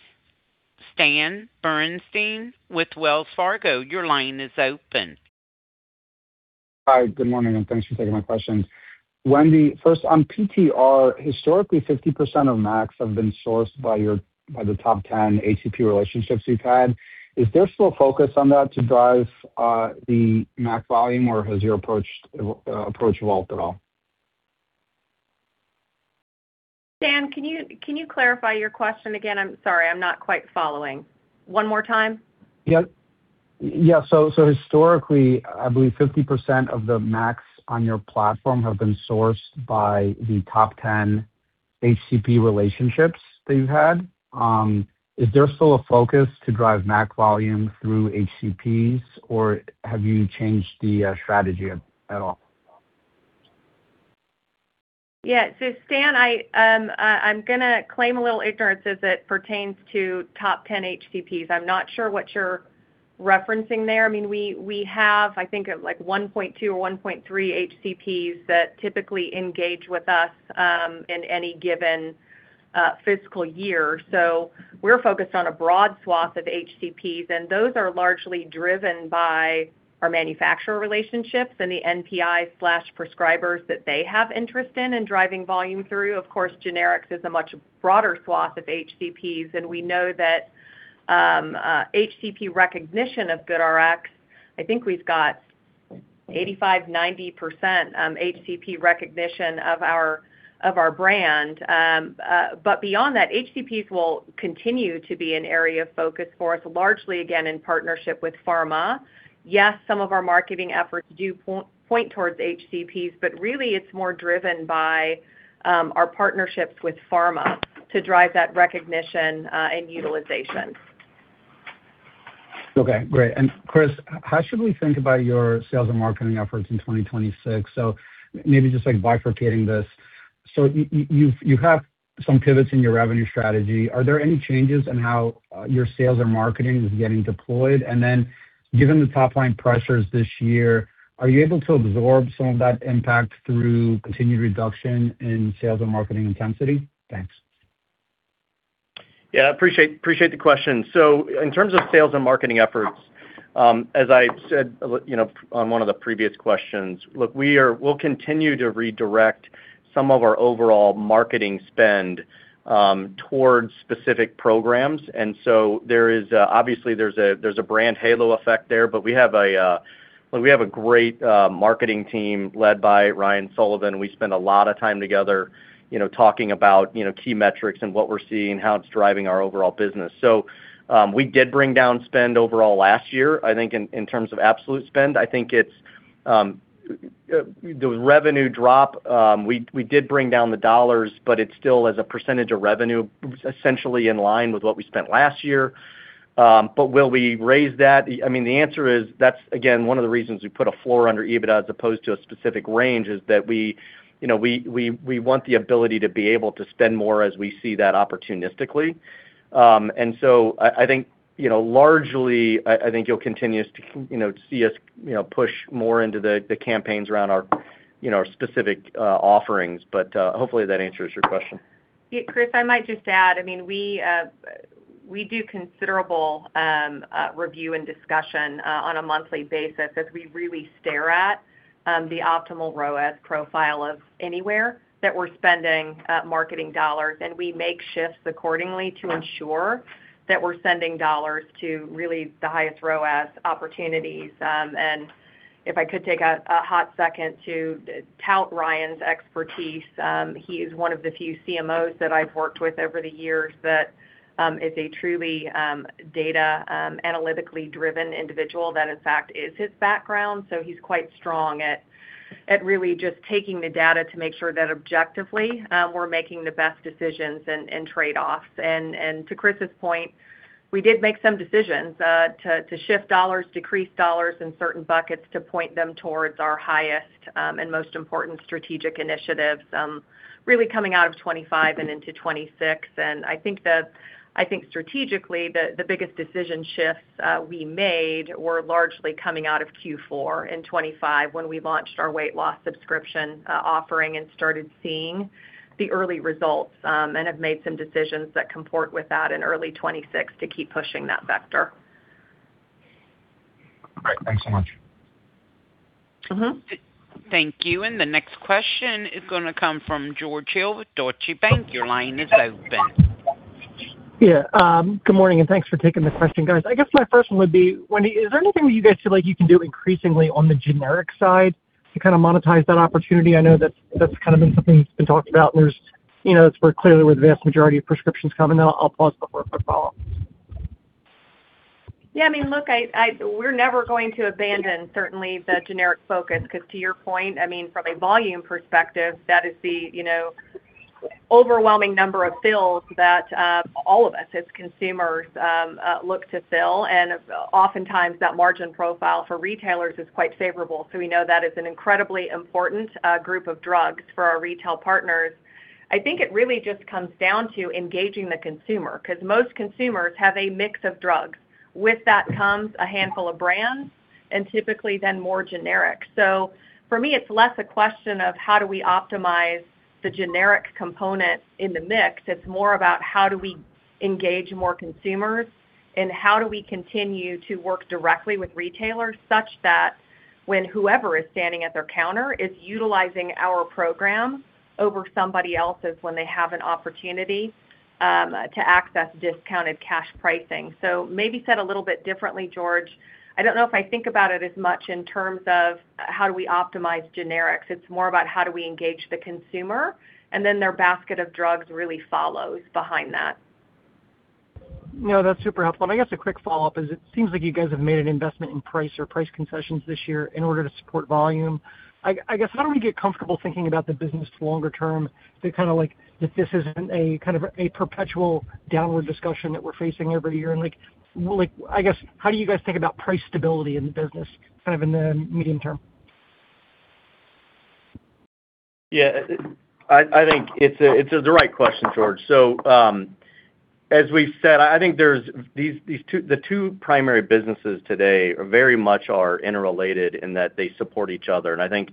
Stan Berenshteyn with Wells Fargo. Your line is open.
Hi, good morning. Thanks for taking my questions. Wendy, first on PTR, historically, 50% of max have been sourced by the top 10 HCP relationships you've had. Is there still a focus on that to drive the max volume, or has your approach evolved at all?
Stan, can you clarify your question again? I'm sorry, I'm not quite following. One more time.
Yep. Yeah, so historically, I believe 50% of the max on your platform have been sourced by the top 10 HCP relationships that you've had. Is there still a focus to drive max volume through HCPs, or have you changed the strategy at all?
Stan, I'm gonna claim a little ignorance as it pertains to top 10 HCPs. I'm not sure what you're referencing there. I mean, we have, I think, like 1.2 or 1.3 HCPs that typically engage with us in any given fiscal year. We're focused on a broad swath of HCPs, and those are largely driven by our manufacturer relationships and the NPI/prescribers that they have interest in driving volume through. Of course, generics is a much broader swath of HCPs, and we know that HCP recognition of GoodRx, I think we've got 85%, 90% HCP recognition of our brand. But beyond that, HCPs will continue to be an area of focus for us, largely, again, in partnership with Pharma. Yes, some of our marketing efforts do point towards HCPs, but really it's more driven by our partnerships with Pharma to drive that recognition and utilization.
Okay, great. Chris, how should we think about your sales and marketing efforts in 2026? Maybe just, like, bifurcating this. You've, you have some pivots in your revenue strategy. Are there any changes in how your sales and marketing is getting deployed? Then, given the top-line pressures this year, are you able to absorb some of that impact through continued reduction in sales and marketing intensity? Thanks.
Yeah, appreciate the question. In terms of sales and marketing efforts, as I said, you know, on one of the previous questions, look, we'll continue to redirect some of our overall marketing spend towards specific programs. There is, obviously, there's a brand halo effect there, but we have a, well, we have a great marketing team led by Ryan Sullivan. We spend a lot of time together, you know, talking about, you know, key metrics and what we're seeing, how it's driving our overall business. We did bring down spend overall last year. I think in terms of absolute spend, I think it's the revenue drop, we did bring down the dollars, but it's still as a percentage of revenue, essentially in line with what we spent last year. Will we raise that? I mean, the answer is, that's again, one of the reasons we put a floor under EBITDA as opposed to a specific range, is that we, you know, we want the ability to be able to spend more as we see that opportunistically. I think, you know, largely, I think you'll continue to, you know, see us, you know, push more into the campaigns around our, you know, our specific offerings. Hopefully, that answers your question.
Yeah, Chris, I might just add, I mean, we do considerable review and discussion on a monthly basis as we really stare at the optimal ROAS profile of anywhere that we're spending marketing dollars. We make shifts accordingly to ensure that we're sending dollars to really the highest ROAS opportunities. If I could take a hot second to tout Ryan's expertise, he is one of the few CMOs that I've worked with over the years that is a truly data analytically driven individual. That, in fact, is his background, so he's quite strong at really just taking the data to make sure that objectively, we're making the best decisions and trade-offs. To Chris's point, we did make some decisions to shift dollars, decrease dollars in certain buckets to point them towards our highest and most important strategic initiatives, really coming out of 2025 and into 2026. I think strategically, the biggest decision shifts we made were largely coming out of Q4 in 2025, when we launched our weight loss subscription offering and started seeing the early results, and have made some decisions that comport with that in early 2026 to keep pushing that vector.
Great. Thanks so much.
Mm-hmm.
Thank you. The next question is gonna come from George Hill with Deutsche Bank. Your line is open.
Good morning, and thanks for taking the question, guys. I guess my first one would be, Wendy, is there anything that you guys feel like you can do increasingly on the generic side to kind of monetize that opportunity? I know that's kind of been something that's been talked about, and there's, you know, it's where clearly, where the vast majority of prescriptions come. Then I'll pause before a follow-up.
Yeah, I mean, look, we're never going to abandon, certainly, the generic focus, 'cause to your point, I mean, from a volume perspective, that is the, you know, overwhelming number of fills that all of us as consumers look to fill, and oftentimes, that margin profile for retailers is quite favorable. We know that is an incredibly important group of drugs for our retail partners. I think it really just comes down to engaging the consumer, 'cause most consumers have a mix of drugs. With that comes a handful of brands and typically then more generics. For me, it's less a question of how do we optimize the generic component in the mix, it's more about how do we engage more consumers, and how do we continue to work directly with retailers, such that when whoever is standing at their counter is utilizing our program over somebody else's, when they have an opportunity to access discounted cash pricing. Maybe said a little bit differently, George, I don't know if I think about it as much in terms of how do we optimize generics. It's more about how do we engage the consumer, and then their basket of drugs really follows behind that.
No, that's super helpful. I guess a quick follow-up is, it seems like you guys have made an investment in price or price concessions this year in order to support volume. I guess, how do we get comfortable thinking about the business longer term to kind of like, that this isn't a kind of a perpetual downward discussion that we're facing every year? Like, I guess, how do you guys think about price stability in the business, kind of in the medium term?
Yeah. I think it's the right question, George. As we've said, I think the two primary businesses today are very much interrelated in that they support each other. I think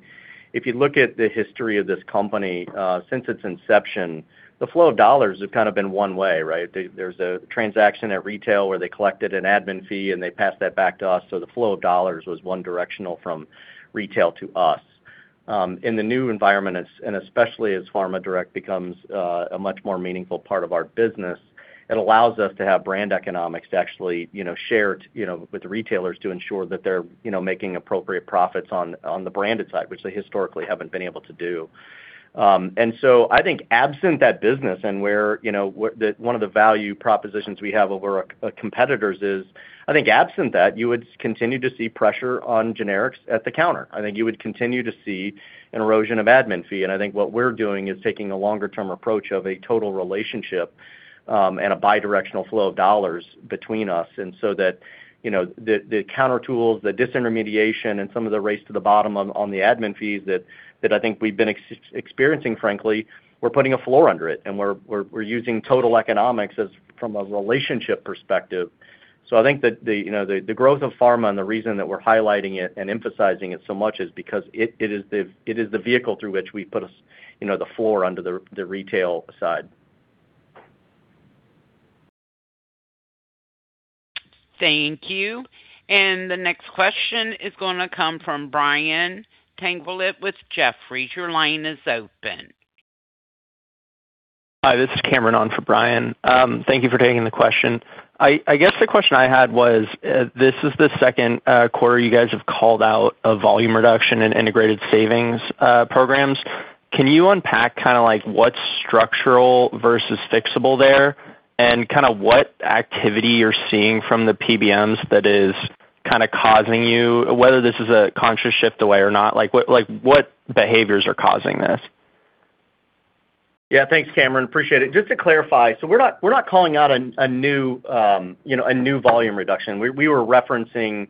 if you look at the history of this company, since its inception, the flow of dollars have kind of been one way, right. There's a transaction at retail, where they collected an admin fee, and they passed that back to us. The flow of dollars was one directional from retail to us. in the new environment, and especially as Pharma Direct becomes a much more meaningful part of our business, it allows us to have brand economics to actually, you know, share it, you know, with the retailers to ensure that they're, you know, making appropriate profits on the branded side, which they historically haven't been able to do. I think absent that business and where, you know, one of the value propositions we have over our competitors is, I think absent that, you would continue to see pressure on generics at the counter. I think you would continue to see an erosion of admin fee, and I think what we're doing is taking a longer-term approach of a total relationship, and a bidirectional flow of dollars between us, and so that, you know, the counter tools, the disintermediation and some of the race to the bottom on the admin fees that I think we've been experiencing, frankly, we're putting a floor under it, and we're using total economics as from a relationship perspective. I think that, you know, the growth of Pharma and the reason that we're highlighting it and emphasizing it so much is because it is the vehicle through which we put, you know, the floor under the retail side.
Thank you. The next question is gonna come from Brian Tanquilut with Jefferies. Your line is open.
Hi, this is Cameron on for Brian. Thank you for taking the question. I guess the question I had was, this is the second quarter you guys have called out a volume reduction in Integrated Savings Programs. Can you unpack kind of like what's structural versus fixable there? Kind of what activity you're seeing from the PBMs that is kind of causing you, whether this is a conscious shift away or not, what behaviors are causing this?
Yeah, thanks, Cameron. Appreciate it. Just to clarify, we're not calling out a new, you know, a new volume reduction. We, we were referencing,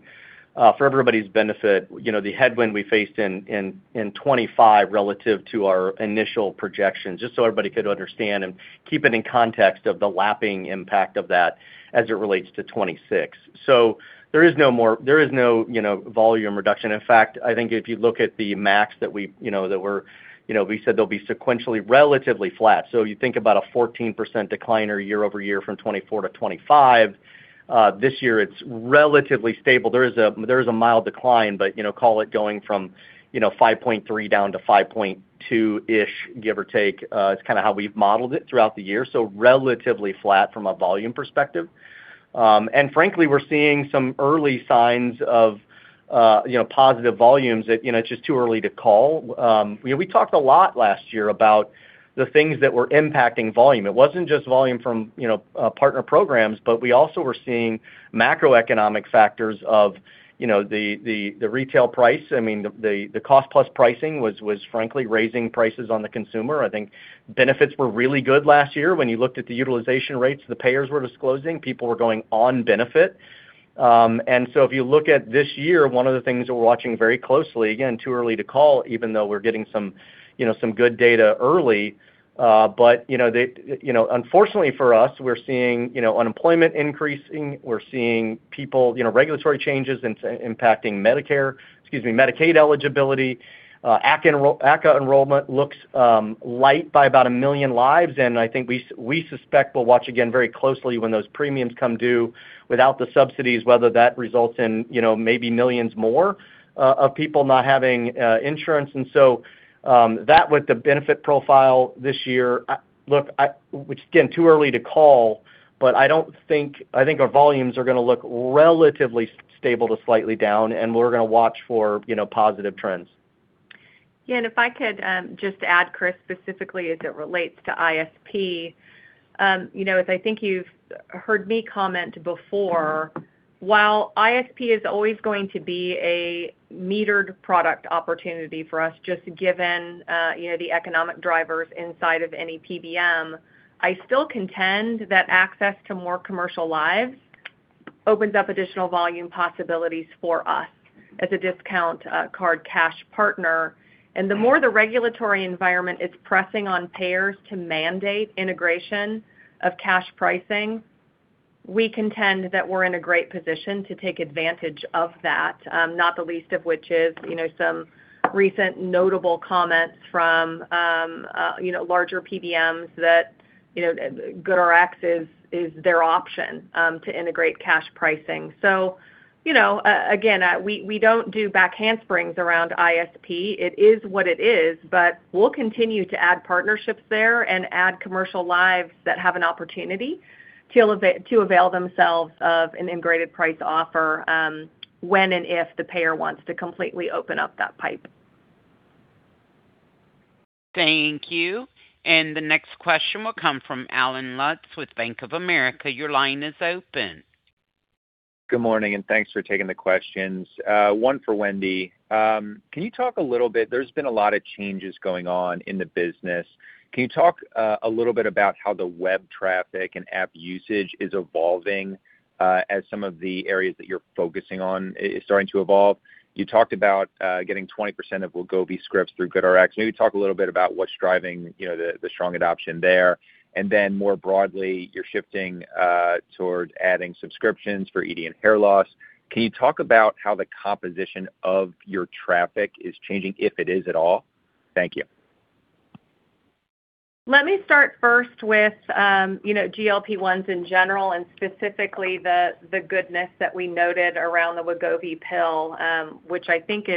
for everybody's benefit, you know, the headwind we faced in, in 2025 relative to our initial projections, just so everybody could understand and keep it in context of the lapping impact of that as it relates to 2026. There is no, you know, volume reduction. In fact, I think if you look at the max that we, you know, we said they'll be sequentially relatively flat. You think about a 14% decline year-over-year from 2024-2025. This year, it's relatively stable. There is a mild decline, but, you know, call it going from, you know, 5.3 down to 5.2-ish, give or take, is kind of how we've modeled it throughout the year. Relatively flat from a volume perspective. Frankly, we're seeing some early signs of, you know, positive volumes that, you know, it's just too early to call. You know, we talked a lot last year about the things that were impacting volume. It wasn't just volume from, you know, partner programs, but we also were seeing macroeconomic factors of, you know, the retail price. I mean, the cost-plus pricing was frankly raising prices on the consumer. I think benefits were really good last year when you looked at the utilization rates, the payers were disclosing, people were going on benefit. If you look at this year, one of the things we're watching very closely, again, too early to call, even though we're getting some, you know, some good data early, unfortunately for us, we're seeing, you know, unemployment increasing. We're seeing people, you know, regulatory changes impacting Medicare, excuse me, Medicaid eligibility. ACA enrollment looks light by about 1 million lives, and I think we suspect we'll watch again very closely when those premiums come due without the subsidies, whether that results in, you know, maybe millions more of people not having insurance. That with the benefit profile this year, which again, too early to call, but I think our volumes are gonna look relatively stable to slightly down, and we're gonna watch for, you know, positive trends.
If I could, just add, Chris, specifically as it relates to ISP. You know, as I think you've heard me comment before, while ISP is always going to be a metered product opportunity for us, just given, you know, the economic drivers inside of any PBM, I still contend that access to more commercial lives opens up additional volume possibilities for us as a discount, card cash partner. The more the regulatory environment is pressing on payers to mandate integration of cash pricing, we contend that we're in a great position to take advantage of that, not the least of which is, you know, some recent notable comments from, you know, larger PBMs that, you know, GoodRx is their option, to integrate cash pricing. Again, we don't do back handsprings around ISP. It is what it is, but we'll continue to add partnerships there and add commercial lives that have an opportunity to avail themselves of an integrated price offer, when and if the payer wants to completely open up that pipe.
Thank you. The next question will come from Allen Lutz with Bank of America. Your line is open.
Good morning, and thanks for taking the questions. One for Wendy. Can you talk a little bit there's been a lot of changes going on in the business. Can you talk a little bit about how the web traffic and app usage is evolving as some of the areas that you're focusing on is starting to evolve? You talked about getting 20% of Wegovy scripts through GoodRx. Maybe talk a little bit about what's driving, you know, the strong adoption there. More broadly, you're shifting towards adding subscriptions for ED and hair loss. Can you talk about how the composition of your traffic is changing, if it is at all? Thank you.
Let me start first with, you know, GLP-1s in general and specifically the goodness that we noted around the Wegovy pill. Look, I think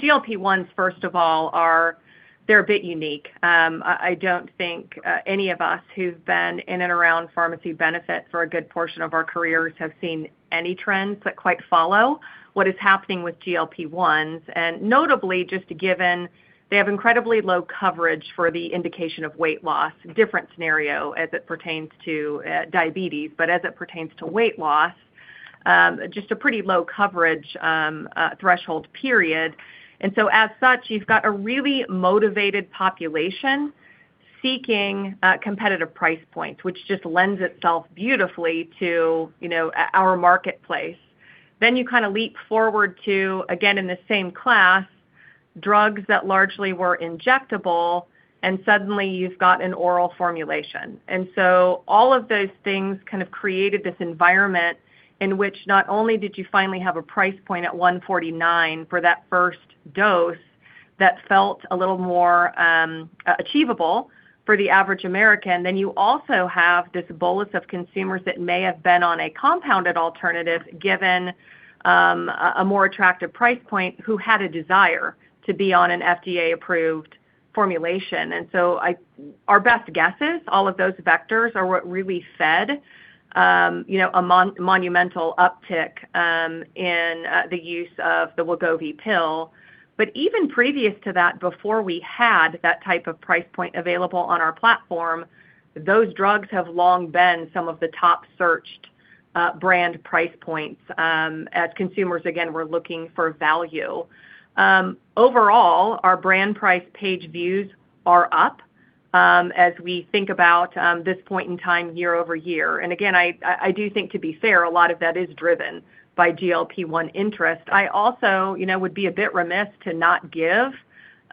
GLP-1s, first of all, are, they're a bit unique. I don't think any of us who've been in and around pharmacy benefit for a good portion of our careers have seen any trends that quite follow what is happening with GLP-1s. Notably, just given they have incredibly low coverage for the indication of weight loss, different scenario as it pertains to diabetes, but as it pertains to weight loss, just a pretty low coverage threshold period. As such, you've got a really motivated population seeking competitive price points, which just lends itself beautifully to, you know, our marketplace. You kind of leap forward to, again, in the same class, drugs that largely were injectable, and suddenly you've got an oral formulation. All of those things kind of created this environment in which not only did you finally have a price point at $149 for that first dose, that felt a little more achievable for the average American, then you also have this bolus of consumers that may have been on a compounded alternative, given a more attractive price point, who had a desire to be on an FDA-approved-.... formulation. I, our best guesses, all of those vectors are what really fed monumental uptick in the use of the Wegovy pill. Even previous to that, before we had that type of price point available on our platform, those drugs have long been some of the top searched brand price points as consumers, again, were looking for value. Overall, our brand price page views are up as we think about this point in time, year-over-year. Again, I, I do think, to be fair, a lot of that is driven by GLP-1 interest. I also would be a bit remiss to not give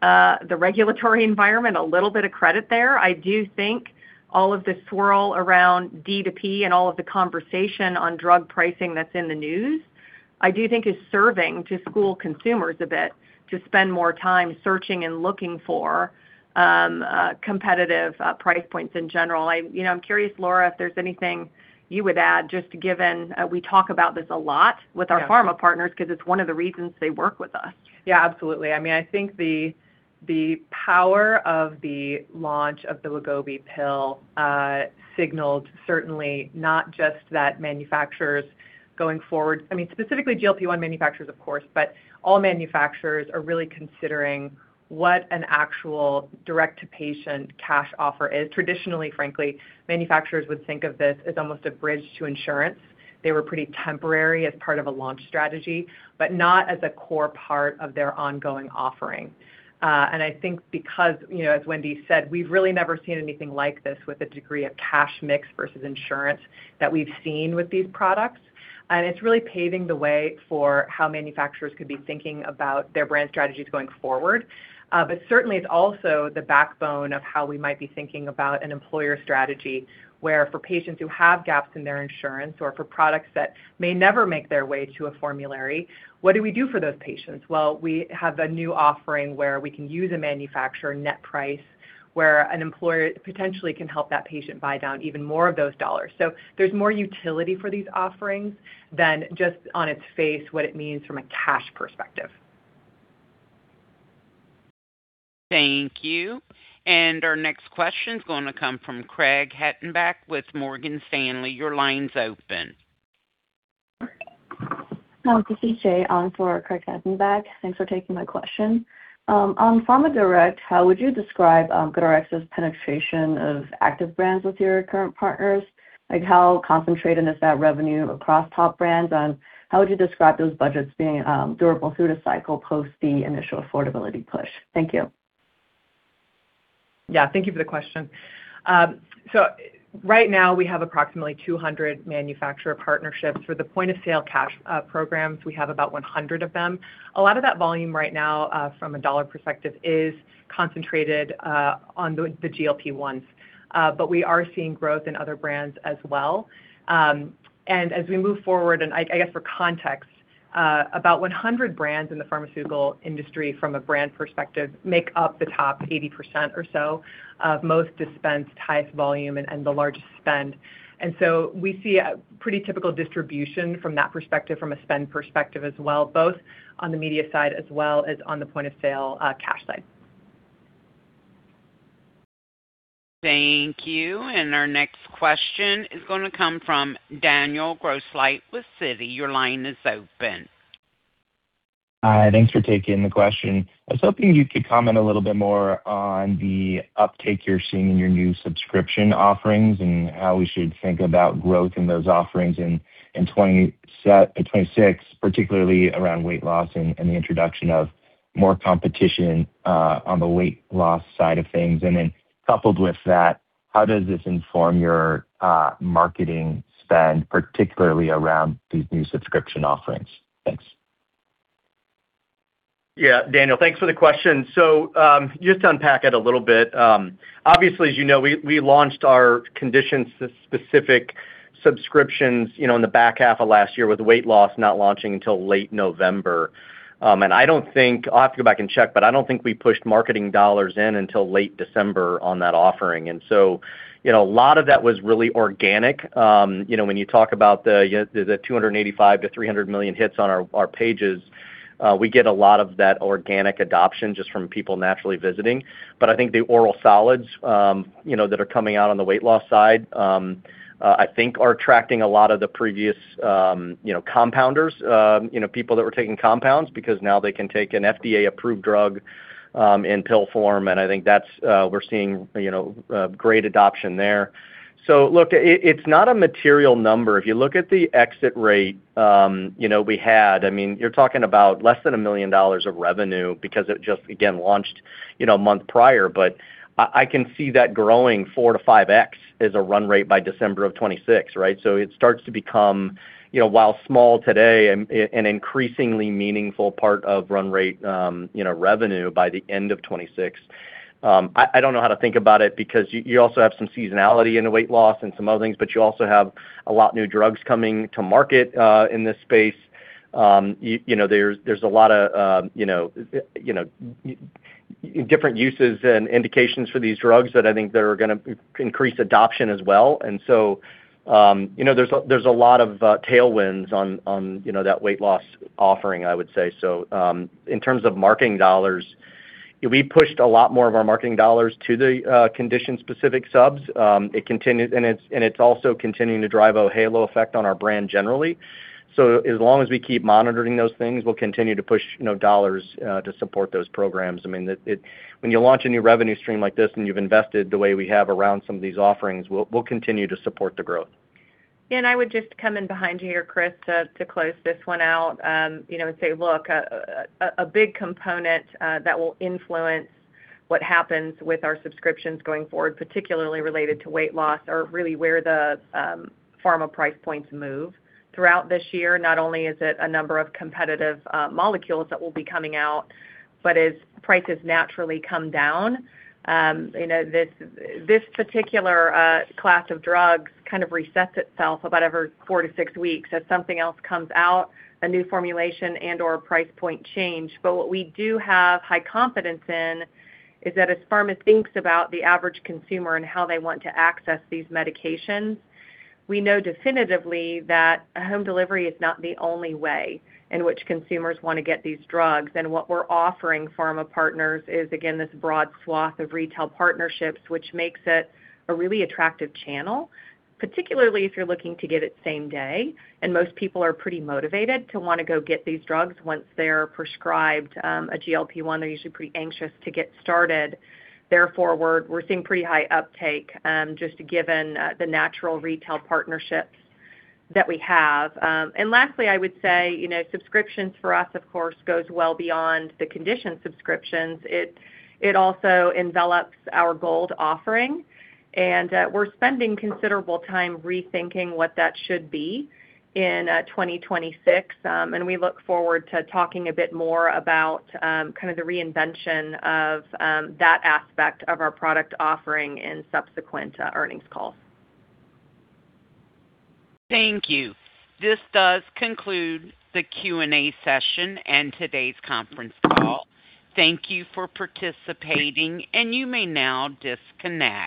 the regulatory environment a little bit of credit there. I do think all of the swirl around D2P and all of the conversation on drug pricing that's in the news, I do think is serving to school consumers a bit, to spend more time searching and looking for competitive price points in general. I, you know, I'm curious, Laura, if there's anything you would add, just given we talk about this a lot with our.
Yeah.
Pharma partners because it's one of the reasons they work with us.
Absolutely. I mean, I think the power of the launch of the Wegovy pill signaled certainly not just that manufacturers going forward... I mean, specifically GLP-1 manufacturers, of course, but all manufacturers are really considering what an actual direct-to-patient cash offer is. Traditionally, frankly, manufacturers would think of this as almost a bridge to insurance. They were pretty temporary as part of a launch strategy, but not as a core part of their ongoing offering. I think because, you know, as Wendy said, we've really never seen anything like this with a degree of cash mix versus insurance that we've seen with these products. It's really paving the way for how manufacturers could be thinking about their brand strategies going forward. Certainly, it's also the backbone of how we might be thinking about an employer strategy, where for patients who have gaps in their insurance or for products that may never make their way to a formulary, what do we do for those patients? Well, we have a new offering where we can use a manufacturer net price, where an employer potentially can help that patient buy down even more of those dollars. There's more utility for these offerings than just on its face, what it means from a cash perspective.
Thank you. Our next question is going to come from Craig Hettenbach with Morgan Stanley. Your line's open.
Hi, this is Jay on for Craig Hettenbach. Thanks for taking my question. On Pharma Direct, how would you describe GoodRx's penetration of active brands with your current partners? Like, how concentrated is that revenue across top brands, and how would you describe those budgets being durable through the cycle post the initial affordability push? Thank you.
Yeah, thank you for the question. Right now, we have approximately 200 manufacturer partnerships. For the point-of-sale cash programs, we have about 100 of them. A lot of that volume right now, from a dollar perspective, is concentrated on the GLP-1s, but we are seeing growth in other brands as well. As we move forward, I guess for context, about 100 brands in the pharmaceutical industry, from a brand perspective, make up the top 80% or so of most dispensed, highest volume and the largest spend. We see a pretty typical distribution from that perspective, from a spend perspective as well, both on the media side as well as on the point-of-sale cash side.
Thank you. Our next question is gonna come from Daniel Grosslight with Citi. Your line is open.
Hi, thanks for taking the question. I was hoping you could comment a little bit more on the uptake you're seeing in your new Subscription Offerings and how we should think about growth in those offerings in 2026, particularly around weight loss and the introduction of more competition on the weight loss side of things. Coupled with that, how does this inform your marketing spend, particularly around these new Subscription Offerings? Thanks.
Yeah, Daniel, thanks for the question. Just to unpack it a little bit, obviously, as you know, we launched our condition-specific subscriptions, you know, in the back half of last year, with weight loss not launching until late November. I don't think, I'll have to go back and check, but I don't think we pushed marketing dollars in until late December on that offering. You know, a lot of that was really organic. You know, when you talk about the $285 million-$300 million hits on our pages, we get a lot of that organic adoption just from people naturally visiting. I think the oral solids, you know, that are coming out on the weight loss side, I think are attracting a lot of the previous, you know, compounders, you know, people that were taking compounds, because now they can take an FDA-approved drug in pill form, and I think that's, we're seeing, you know, great adoption there. Look, it's not a material number. If you look at the exit rate, you know, we had, I mean, you're talking about less than $1 million of revenue because it just, again, launched, you know, a month prior. I can see that growing 4x-5x as a run rate by December of 2026, right? It starts to become, you know, while small today, an increasingly meaningful part of run rate, you know, revenue by the end of 2026. I don't know how to think about it, because you also have some seasonality in the weight loss and some other things, but you also have a lot new drugs coming to market in this space. You know, there's a lot of, you know, different uses and indications for these drugs that I think they're gonna increase adoption as well. You know, there's a lot of tailwinds on, you know, that weight loss offering, I would say. In terms of marketing dollars, We pushed a lot more of our marketing dollars to the condition-specific subs. It continues, and it's also continuing to drive a halo effect on our brand generally. As long as we keep monitoring those things, we'll continue to push, you know, dollars to support those programs. I mean, when you launch a new revenue stream like this and you've invested the way we have around some of these offerings, we'll continue to support the growth.
I would just come in behind you here, Chris, to close this one out, you know, and say, look, a big component that will influence what happens with our Subscriptions going forward, particularly related to weight loss, are really where the Pharma price points move. Throughout this year, not only is it a number of competitive molecules that will be coming out, but as prices naturally come down, you know, this particular class of drugs kind of resets itself about every four to six weeks as something else comes out, a new formulation and/or price point change. What we do have high confidence in is that as Pharma thinks about the average consumer and how they want to access these medications, we know definitively that home delivery is not the only way in which consumers want to get these drugs. What we're offering Pharma partners is, again, this broad swath of retail partnerships, which makes it a really attractive channel, particularly if you're looking to get it same day. Most people are pretty motivated to want to go get these drugs. Once they're prescribed a GLP-1, they're usually pretty anxious to get started. Therefore, we're seeing pretty high uptake just given the natural retail partnerships that we have. Lastly, I would say, you know, Subscriptions for us, of course, goes well beyond the condition subscriptions. It also envelops our Gold offering, we're spending considerable time rethinking what that should be in 2026. We look forward to talking a bit more about kind of the reinvention of that aspect of our product offering in subsequent earnings calls.
Thank you. This does conclude the Q&A session and today's conference call. Thank you for participating, and you may now disconnect.